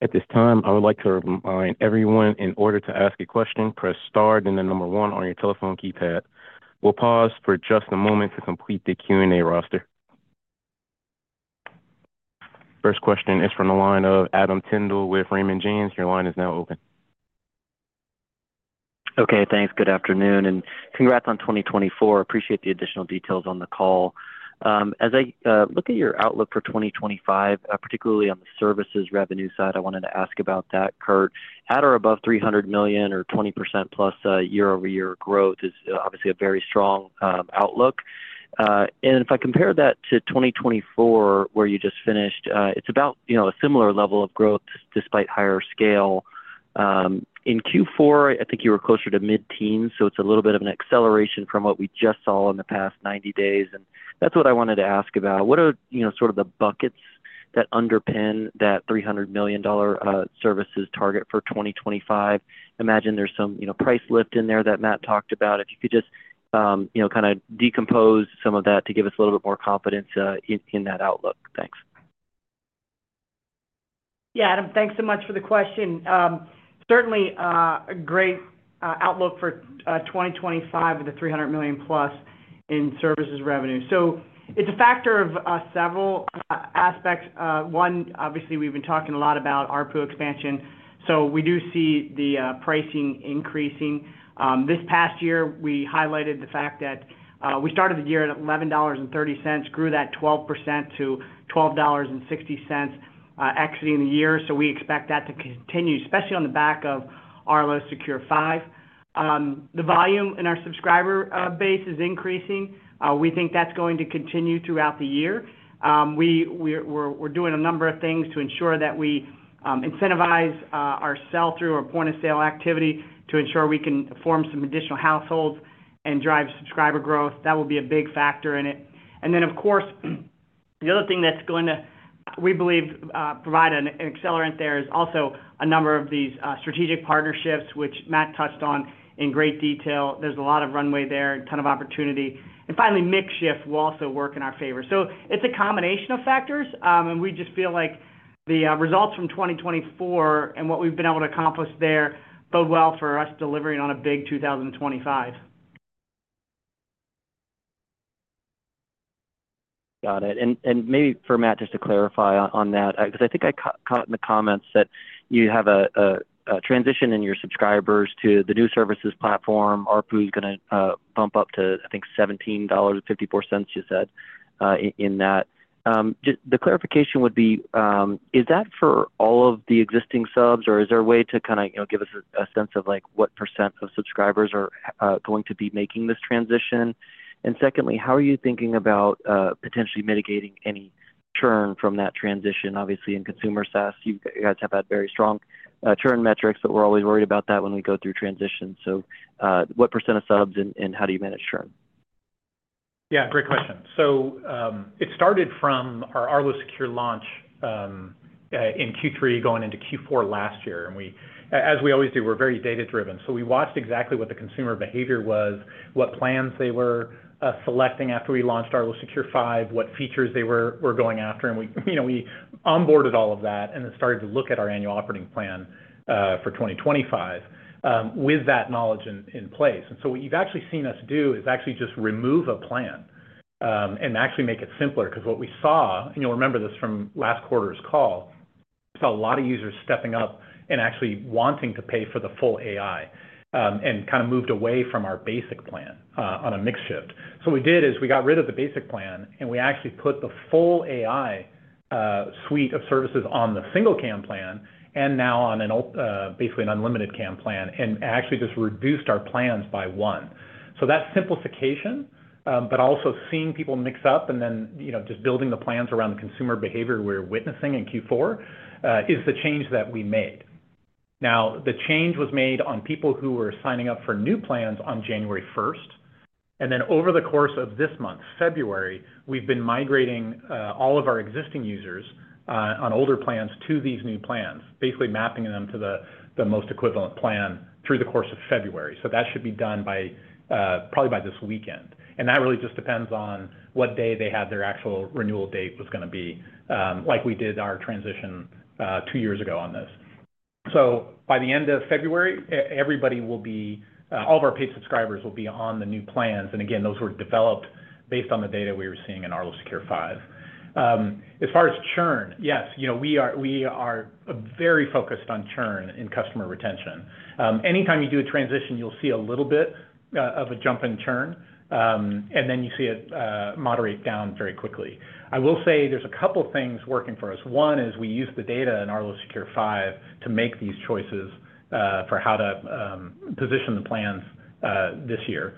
At this time, I would like to remind everyone in order to ask a question, press star then the number one on your telephone keypad. We'll pause for just a moment to complete the Q&A roster. First question is from the line of Adam Tindle with Raymond James. Your line is now open. Okay, thanks. Good afternoon and congrats on 2024. Appreciate the additional details on the call. As I look at your outlook for 2025, particularly on the services revenue side, I wanted to ask about that, Kurt. At or above $300 million or 20%+ year-over-year growth is obviously a very strong outlook. If I compare that to 2024, where you just finished, it is about a similar level of growth despite higher scale. In Q4, I think you were closer to mid-teens, so it is a little bit of an acceleration from what we just saw in the past 90 days. That is what I wanted to ask about. What are sort of the buckets that underpin that $300 million services target for 2025? Imagine there is some price lift in there that Matt talked about. If you could just kind of decompose some of that to give us a little bit more confidence in that outlook. Thanks. Yeah, Adam, thanks so much for the question. Certainly a great outlook for 2025 with the $300 million plus in services revenue. It is a factor of several aspects. One, obviously we've been talking a lot about ARPU expansion, so we do see the pricing increasing. This past year, we highlighted the fact that we started the year at $11.30, grew that 12% to $12.60 exiting the year. We expect that to continue, especially on the back of Arlo Secure 5. The volume in our subscriber base is increasing. We think that's going to continue throughout the year. We're doing a number of things to ensure that we incentivize our sell-through or point-of-sale activity to ensure we can form some additional households and drive subscriber growth. That will be a big factor in it. Of course, the other thing that's going to, we believe, provide an accelerant there is also a number of these strategic partnerships, which Matt touched on in great detail. There's a lot of runway there, a ton of opportunity. Finally, mix shift will also work in our favor. It is a combination of factors, and we just feel like the results from 2024 and what we have been able to accomplish there bode well for us delivering on a big 2025. Got it. Maybe for Matt, just to clarify on that, because I think I caught in the comments that you have a transition in your subscribers to the new services platform. ARPU is going to bump up to, I think, $17.54, you said, in that. The clarification would be, is that for all of the existing subs, or is there a way to kind of give us a sense of what % of subscribers are going to be making this transition? Secondly, how are you thinking about potentially mitigating any churn from that transition? Obviously, in consumer SaaS, you guys have had very strong churn metrics, but we're always worried about that when we go through transition. What percent of subs and how do you manage churn? Yeah, great question. It started from our Arlo Secure launch in Q3 going into Q4 last year. As we always do, we're very data-driven. We watched exactly what the consumer behavior was, what plans they were selecting after we launched Arlo Secure 5, what features they were going after. We onboarded all of that and then started to look at our annual operating plan for 2025 with that knowledge in place. What you've actually seen us do is actually just remove a plan and actually make it simpler because what we saw, and you'll remember this from last quarter's call, we saw a lot of users stepping up and actually wanting to pay for the full AI and kind of moved away from our basic plan on a mix shift. What we did is we got rid of the basic plan, and we actually put the full AI suite of services on the single cam plan and now on basically an unlimited cam plan and actually just reduced our plans by one. That simplification, but also seeing people mix up and then just building the plans around the consumer behavior we're witnessing in Q4 is the change that we made. The change was made on people who were signing up for new plans on January 1st. Over the course of this month, February, we've been migrating all of our existing users on older plans to these new plans, basically mapping them to the most equivalent plan through the course of February. That should be done probably by this weekend. That really just depends on what day their actual renewal date was going to be, like we did our transition two years ago on this. By the end of February, all of our paid subscribers will be on the new plans. Again, those were developed based on the data we were seeing in Arlo Secure 5. As far as churn, yes, we are very focused on churn in customer retention. Anytime you do a transition, you'll see a little bit of a jump in churn, and then you see it moderate down very quickly. I will say there's a couple of things working for us. One is we use the data in Arlo Secure 5 to make these choices for how to position the plans this year.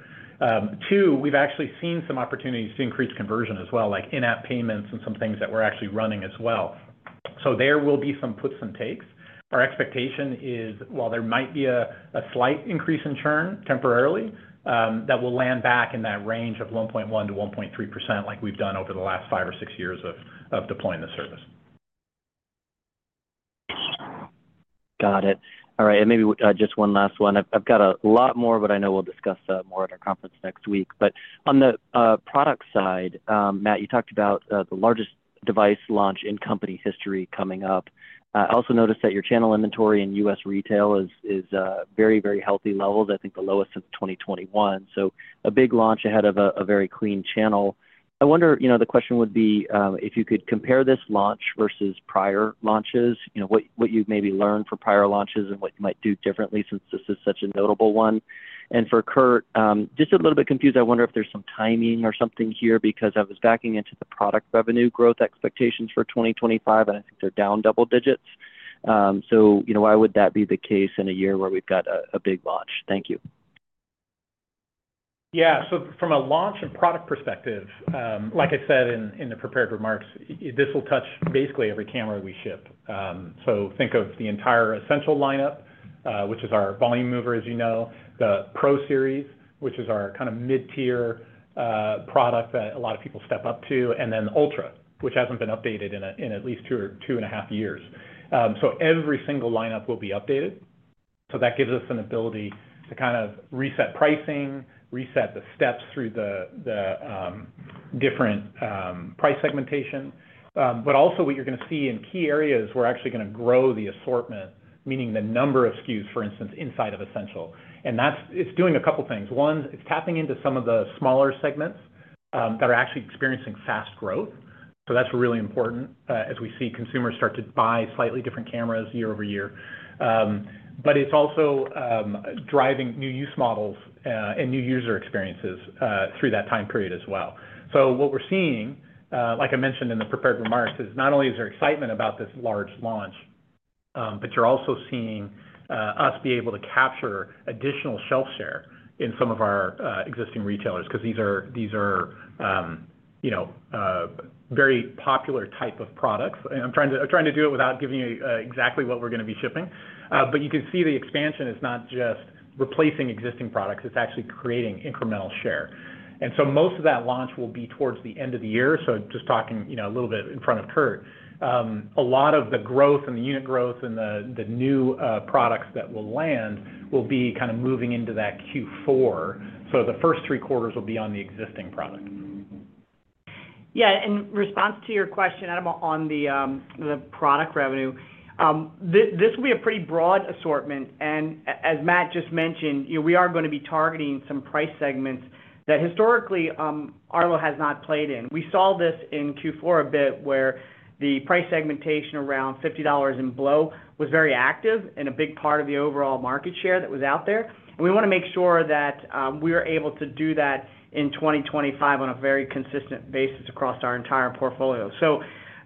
Two, we've actually seen some opportunities to increase conversion as well, like in-app payments and some things that we're actually running as well. There will be some puts and takes. Our expectation is, while there might be a slight increase in churn temporarily, that will land back in that range of 1.1%-1.3% like we've done over the last five or six years of deploying the service. Got it. All right. Maybe just one last one. I've got a lot more, but I know we'll discuss more at our conference next week. On the product side, Matt, you talked about the largest device launch in company history coming up. I also noticed that your channel inventory in U.S. retail is very, very healthy levels. I think the lowest since 2021. A big launch ahead of a very clean channel. I wonder the question would be if you could compare this launch versus prior launches, what you maybe learned from prior launches and what you might do differently since this is such a notable one. For Kurt, just a little bit confused. I wonder if there's some timing or something here because I was backing into the product revenue growth expectations for 2025, and I think they're down double digits. Why would that be the case in a year where we've got a big launch? Thank you. Yeah. From a launch and product perspective, like I said in the prepared remarks, this will touch basically every camera we ship. Think of the entire Essential lineup, which is our volume mover, as you know, the Pro Series, which is our kind of mid-tier product that a lot of people step up to, and then Ultra, which has not been updated in at least two and a half years. Every single lineup will be updated. That gives us an ability to kind of reset pricing, reset the steps through the different price segmentation. Also, what you are going to see in key areas, we are actually going to grow the assortment, meaning the number of SKUs, for instance, inside of Essential. It is doing a couple of things. One, it is tapping into some of the smaller segments that are actually experiencing fast growth. That is really important as we see consumers start to buy slightly different cameras year-over-year. It is also driving new use models and new user experiences through that time period as well. What we are seeing, like I mentioned in the prepared remarks, is not only is there excitement about this large launch, but you are also seeing us be able to capture additional shelf share in some of our existing retailers because these are very popular type of products. I am trying to do it without giving you exactly what we are going to be shipping. You can see the expansion is not just replacing existing products. It is actually creating incremental share. Most of that launch will be towards the end of the year. Just talking a little bit in front of Kurt, a lot of the growth and the unit growth and the new products that will land will be kind of moving into that Q4. The first three quarters will be on the existing product. Yeah. In response to your question, Adam, on the product revenue, this will be a pretty broad assortment. As Matt just mentioned, we are going to be targeting some price segments that historically Arlo has not played in. We saw this in Q4 a bit where the price segmentation around $50 and below was very active and a big part of the overall market share that was out there. We want to make sure that we are able to do that in 2025 on a very consistent basis across our entire portfolio.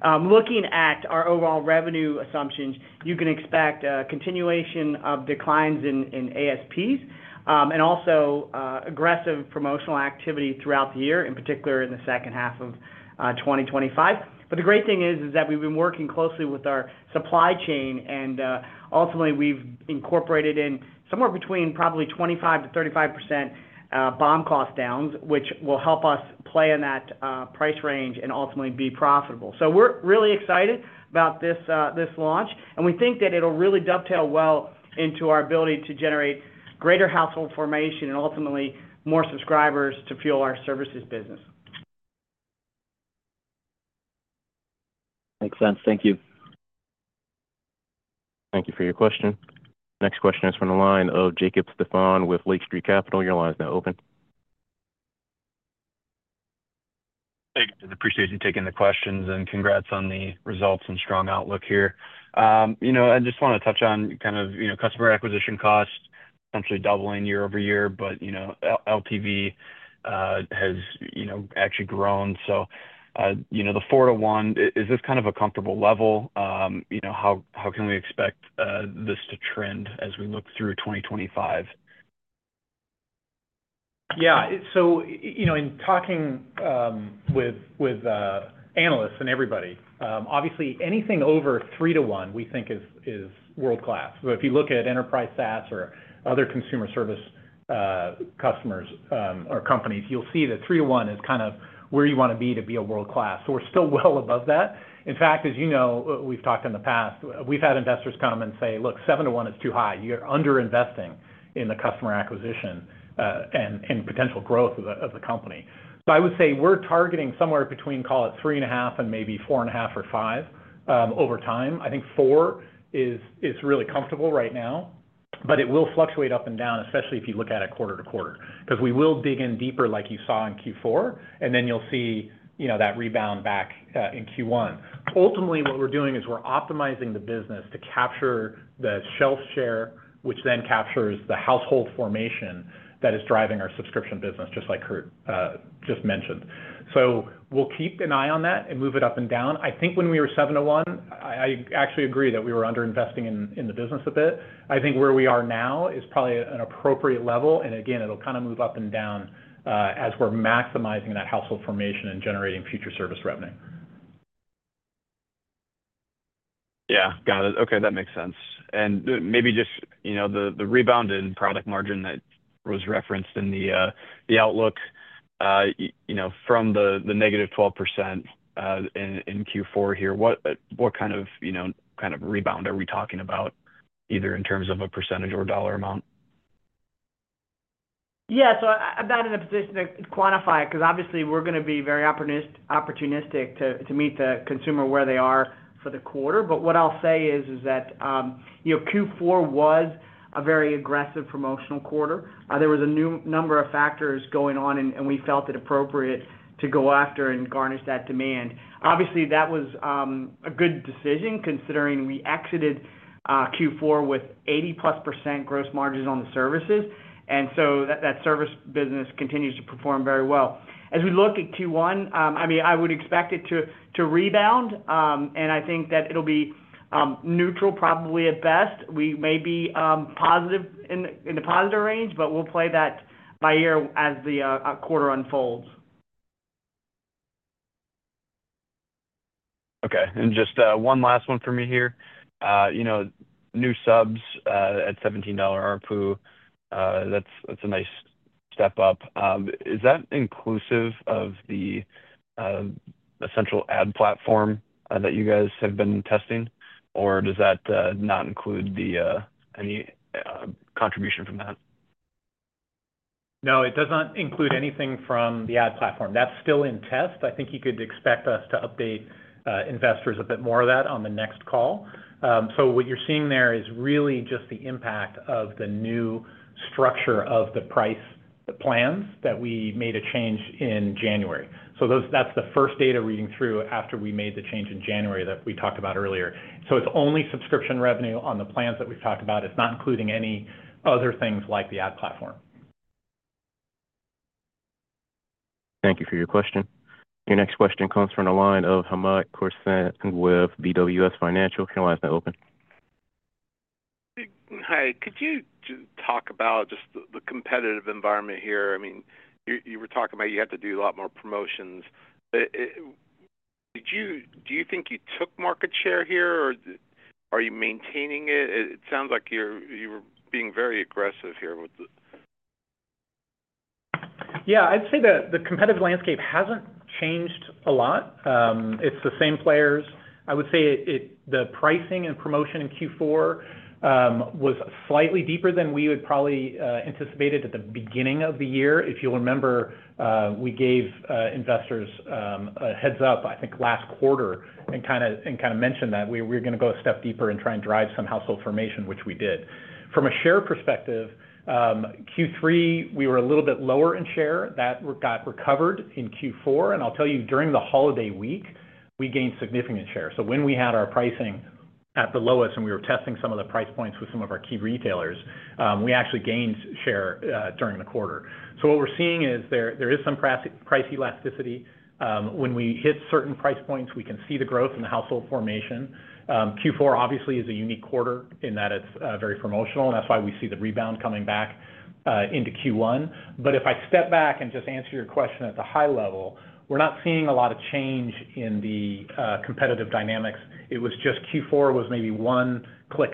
Looking at our overall revenue assumptions, you can expect a continuation of declines in ASPs and also aggressive promotional activity throughout the year, in particular in the second half of 2025. The great thing is that we've been working closely with our supply chain, and ultimately we've incorporated in somewhere between probably 25%-35% bomb cost downs, which will help us play in that price range and ultimately be profitable. We are really excited about this launch, and we think that it'll really dovetail well into our ability to generate greater household formation and ultimately more subscribers to fuel our services business. Makes sense. Thank you. Thank you for your question. Next question is from the line of Jacob Stephan with Lake Street Capital. Your line is now open. Hey, I appreciate you taking the questions and congrats on the results and strong outlook here. I just want to touch on kind of customer acquisition cost, essentially doubling year-over-year, but LTV has actually grown. The four to one, is this kind of a comfortable level? How can we expect this to trend as we look through 2025? Yeah. In talking with analysts and everybody, obviously anything over three to one we think is world-class. If you look at enterprise SaaS or other consumer service customers or companies, you'll see that three to one is kind of where you want to be to be world-class. We're still well above that. In fact, as you know, we've talked in the past, we've had investors come and say, "Look, seven to one is too high. You're underinvesting in the customer acquisition and potential growth of the company." I would say we're targeting somewhere between, call it three and a half and maybe four and a half or five over time. I think four is really comfortable right now, but it will fluctuate up and down, especially if you look at it quarter to quarter because we will dig in deeper like you saw in Q4, and then you'll see that rebound back in Q1. Ultimately, what we're doing is we're optimizing the business to capture the shelf share, which then captures the household formation that is driving our subscription business, just like Kurt just mentioned. We will keep an eye on that and move it up and down. I think when we were seven to one, I actually agree that we were underinvesting in the business a bit. I think where we are now is probably an appropriate level. Again, it will kind of move up and down as we're maximizing that household formation and generating future service revenue. Yeah. Got it. Okay. That makes sense. Maybe just the rebound in product margin that was referenced in the outlook from the negative 12% in Q4 here, what kind of rebound are we talking about, either in terms of a percentage or dollar amount? Yeah. I'm not in a position to quantify it because obviously we're going to be very opportunistic to meet the consumer where they are for the quarter. What I'll say is that Q4 was a very aggressive promotional quarter. There were a number of factors going on, and we felt it appropriate to go after and garnish that demand. Obviously, that was a good decision considering we exited Q4 with 80%+ gross margins on the services. That service business continues to perform very well. As we look at Q1, I mean, I would expect it to rebound, and I think that it'll be neutral probably at best. We may be in the positive range, but we'll play that by ear as the quarter unfolds. Okay. Just one last one for me here. New subs at $17 ARPU, that's a nice step up. Is that inclusive of the Essential ad platform that you guys have been testing, or does that not include any contribution from that? No, it does not include anything from the ad platform. That's still in test. I think you could expect us to update investors a bit more of that on the next call. What you're seeing there is really just the impact of the new structure of the price plans that we made a change in January. That's the first data reading through after we made the change in January that we talked about earlier. It's only subscription revenue on the plans that we've talked about. It's not including any other things like the ad platform. Thank you for your question. Your next question comes from the line of Hamed Khorsand with BWS Financial. Your line is now open. Hi. Could you talk about just the competitive environment here? I mean, you were talking about you had to do a lot more promotions. Do you think you took market share here, or are you maintaining it? It sounds like you were being very aggressive here. Yeah. I'd say the competitive landscape hasn't changed a lot. It's the same players. I would say the pricing and promotion in Q4 was slightly deeper than we had probably anticipated at the beginning of the year. If you'll remember, we gave investors a heads-up, I think, last quarter and kind of mentioned that we were going to go a step deeper and try and drive some household formation, which we did. From a share perspective, Q3, we were a little bit lower in share. That got recovered in Q4. I'll tell you, during the holiday week, we gained significant share. When we had our pricing at the lowest and we were testing some of the price points with some of our key retailers, we actually gained share during the quarter. What we're seeing is there is some price elasticity. When we hit certain price points, we can see the growth in the household formation. Q4, obviously, is a unique quarter in that it's very promotional, and that's why we see the rebound coming back into Q1. If I step back and just answer your question at the high level, we're not seeing a lot of change in the competitive dynamics. Q4 was maybe one click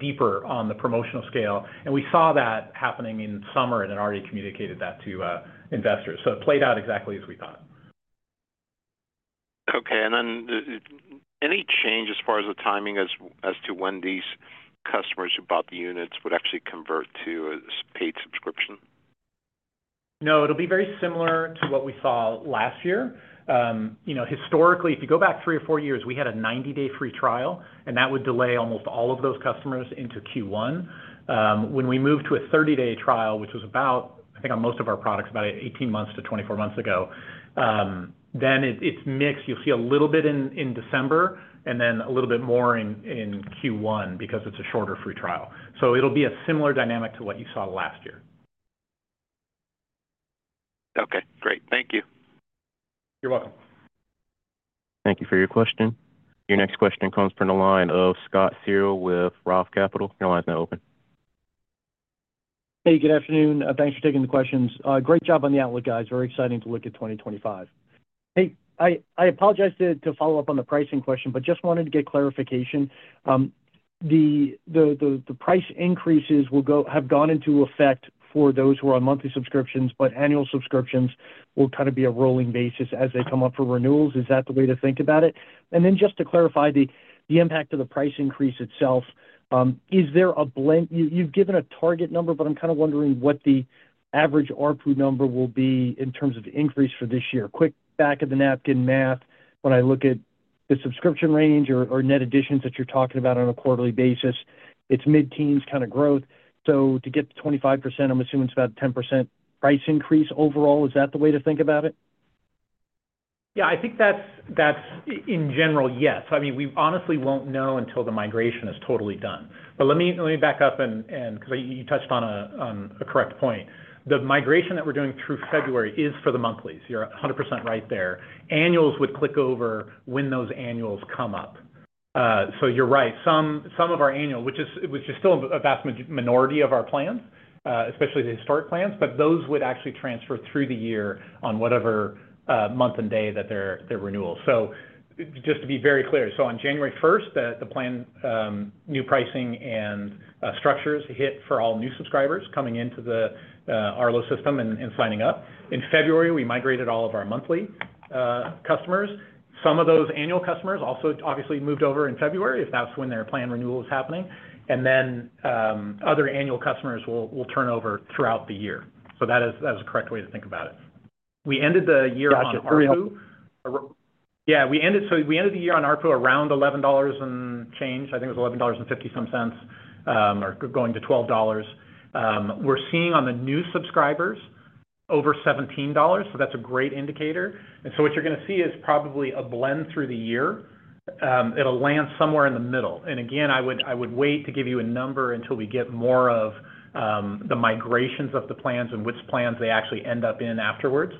deeper on the promotional scale. We saw that happening in summer, and I already communicated that to investors. It played out exactly as we thought. Okay. Any change as far as the timing as to when these customers who bought the units would actually convert to a paid subscription? No, it'll be very similar to what we saw last year. Historically, if you go back three or four years, we had a 90-day free trial, and that would delay almost all of those customers into Q1. When we moved to a 30-day trial, which was about, I think, on most of our products, about 18-24 months ago, then it's mixed. You'll see a little bit in December and then a little bit more in Q1 because it's a shorter free trial. It will be a similar dynamic to what you saw last year. Okay. Great. Thank you. You're welcome. Thank you for your question. Your next question comes from the line of Scott Searle with Roth Capital. Your line is now open. Hey, good afternoon. Thanks for taking the questions. Great job on the outlook, guys. Very exciting to look at 2025. I apologize to follow up on the pricing question, but just wanted to get clarification. The price increases have gone into effect for those who are on monthly subscriptions, but annual subscriptions will kind of be a rolling basis as they come up for renewals. Is that the way to think about it? Just to clarify the impact of the price increase itself, is there a blend? You've given a target number, but I'm kind of wondering what the average ARPU number will be in terms of increase for this year. Quick back-of-the-napkin math, when I look at the subscription range or net additions that you're talking about on a quarterly basis, it's mid-teens kind of growth. To get to 25%, I'm assuming it's about a 10% price increase overall. Is that the way to think about it? Yeah. I think that's, in general, yes. I mean, we honestly won't know until the migration is totally done. Let me back up because you touched on a correct point. The migration that we're doing through February is for the monthlies. You're 100% right there. Annuals would click over when those annuals come up. You're right. Some of our annuals, which is still a vast minority of our plans, especially the historic plans, but those would actually transfer through the year on whatever month and day that their renewal. Just to be very clear, on January 1, the plan, new pricing and structures hit for all new subscribers coming into the Arlo system and signing up. In February, we migrated all of our monthly customers. Some of those annual customers also obviously moved over in February if that is when their plan renewal is happening. Other annual customers will turn over throughout the year. That is the correct way to think about it. We ended the year on ARPU. Yeah. We ended the year on ARPU around $11 and change. I think it was $11.50 some cents or going to $12. We are seeing on the new subscribers over $17. That's a great indicator. What you're going to see is probably a blend through the year. It'll land somewhere in the middle. I would wait to give you a number until we get more of the migrations of the plans and which plans they actually end up in afterwards.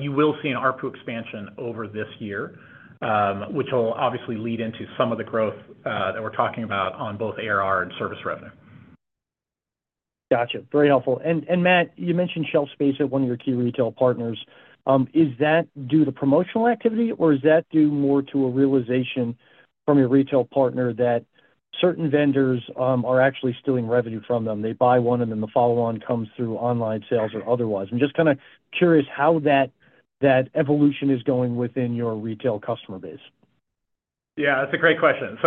You will see an ARPU expansion over this year, which will obviously lead into some of the growth that we're talking about on both ARR and service revenue. Gotcha. Very helpful. Matt, you mentioned shelf space at one of your key retail partners. Is that due to promotional activity, or is that due more to a realization from your retail partner that certain vendors are actually stealing revenue from them? They buy one, and then the follow-on comes through online sales or otherwise. I'm just kind of curious how that evolution is going within your retail customer base. Yeah. That's a great question.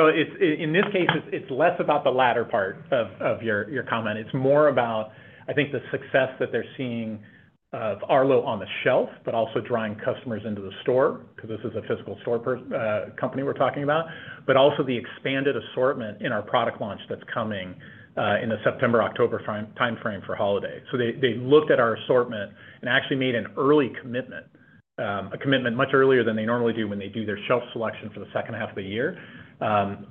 In this case, it's less about the latter part of your comment. It's more about, I think, the success that they're seeing of Arlo on the shelf, but also drawing customers into the store because this is a physical store company we're talking about, but also the expanded assortment in our product launch that's coming in the September, October timeframe for holiday. They looked at our assortment and actually made an early commitment, a commitment much earlier than they normally do when they do their shelf selection for the second half of the year.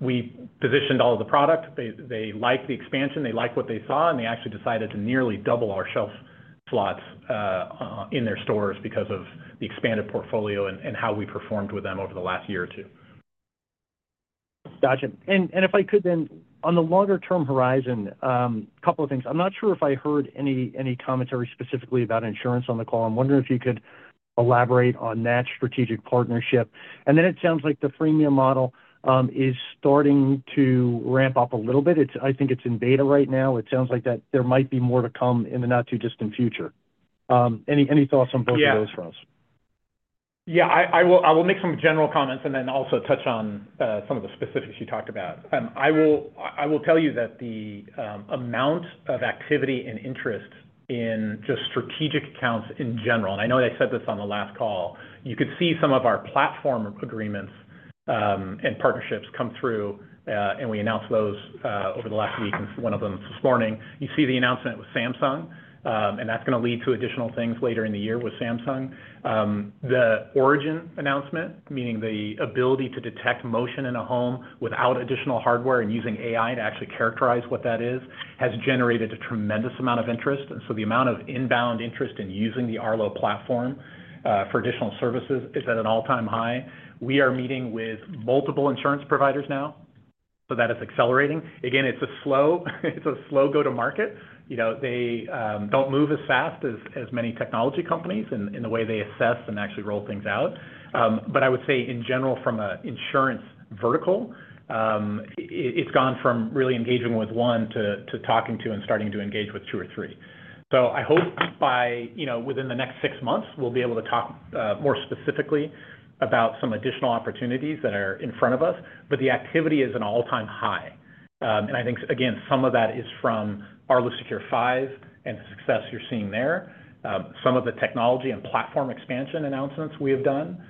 We positioned all of the product. They liked the expansion. They liked what they saw, and they actually decided to nearly double our shelf slots in their stores because of the expanded portfolio and how we performed with them over the last year or two. Gotcha. If I could then, on the longer-term horizon, a couple of things. I'm not sure if I heard any commentary specifically about insurance on the call. I'm wondering if you could elaborate on that strategic partnership. It sounds like the freemium model is starting to ramp up a little bit. I think it's in beta right now. It sounds like there might be more to come in the not-too-distant future. Any thoughts on both of those for us? Yeah. I will make some general comments and then also touch on some of the specifics you talked about. I will tell you that the amount of activity and interest in just strategic accounts in general—I know they said this on the last call—you could see some of our platform agreements and partnerships come through, and we announced those over the last week, one of them this morning. You see the announcement with Samsung, and that's going to lead to additional things later in the year with Samsung. The Origin announcement, meaning the ability to detect motion in a home without additional hardware and using AI to actually characterize what that is, has generated a tremendous amount of interest. The amount of inbound interest in using the Arlo platform for additional services is at an all-time high. We are meeting with multiple insurance providers now, so that is accelerating. Again, it's a slow go-to-market. They don't move as fast as many technology companies in the way they assess and actually roll things out. I would say, in general, from an insurance vertical, it's gone from really engaging with one to talking to and starting to engage with two or three. I hope by within the next six months, we'll be able to talk more specifically about some additional opportunities that are in front of us. The activity is at an all-time high. I think, again, some of that is from Arlo Secure 5 and the success you're seeing there. Some of the technology and platform expansion announcements we have done,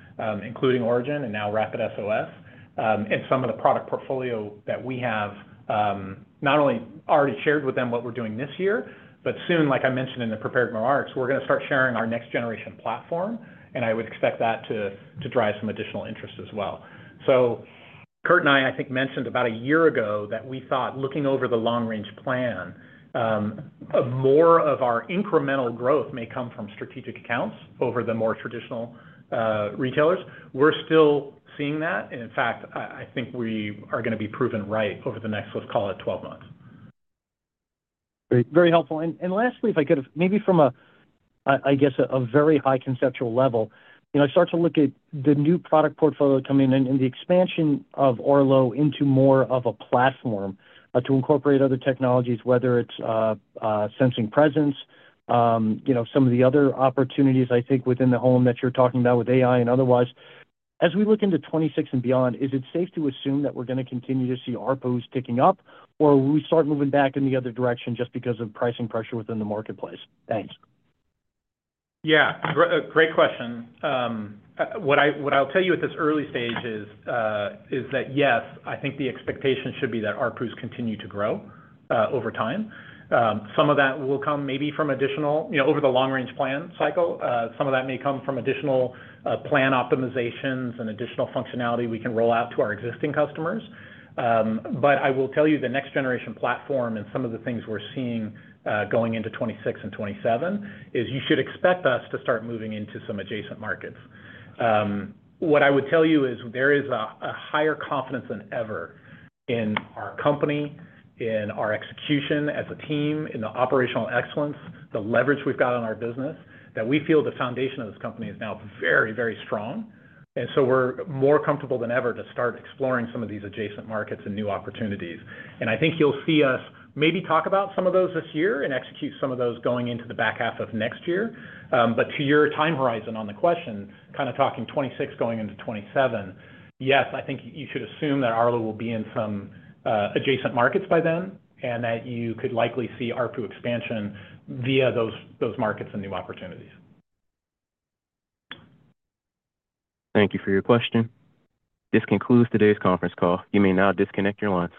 including Origin and now RapidSOS, and some of the product portfolio that we have not only already shared with them what we're doing this year, but soon, like I mentioned in the prepared remarks, we're going to start sharing our next-generation platform. I would expect that to drive some additional interest as well. Kurt and I, I think, mentioned about a year ago that we thought, looking over the long-range plan, more of our incremental growth may come from strategic accounts over the more traditional retailers. We're still seeing that. In fact, I think we are going to be proven right over the next, let's call it, 12 months. Great. Very helpful. Lastly, if I could, maybe from, I guess, a very high conceptual level, I start to look at the new product portfolio coming in and the expansion of Arlo into more of a platform to incorporate other technologies, whether it's sensing presence, some of the other opportunities, I think, within the home that you're talking about with AI and otherwise. As we look into 2026 and beyond, is it safe to assume that we're going to continue to see RPUs picking up, or will we start moving back in the other direction just because of pricing pressure within the marketplace? Thanks. Yeah. Great question. What I'll tell you at this early stage is that, yes, I think the expectation should be that RPUs continue to grow over time. Some of that will come maybe from additional over the long-range plan cycle. Some of that may come from additional plan optimizations and additional functionality we can roll out to our existing customers. I will tell you the next-generation platform and some of the things we're seeing going into 2026 and 2027 is you should expect us to start moving into some adjacent markets. What I would tell you is there is a higher confidence than ever in our company, in our execution as a team, in the operational excellence, the leverage we've got on our business, that we feel the foundation of this company is now very, very strong. We are more comfortable than ever to start exploring some of these adjacent markets and new opportunities. I think you'll see us maybe talk about some of those this year and execute some of those going into the back half of next year. To your time horizon on the question, kind of talking 2026 going into '27, yes, I think you should assume that Arlo will be in some adjacent markets by then and that you could likely see RPU expansion via those markets and new opportunities. Thank you for your question. This concludes today's conference call. You may now disconnect your line.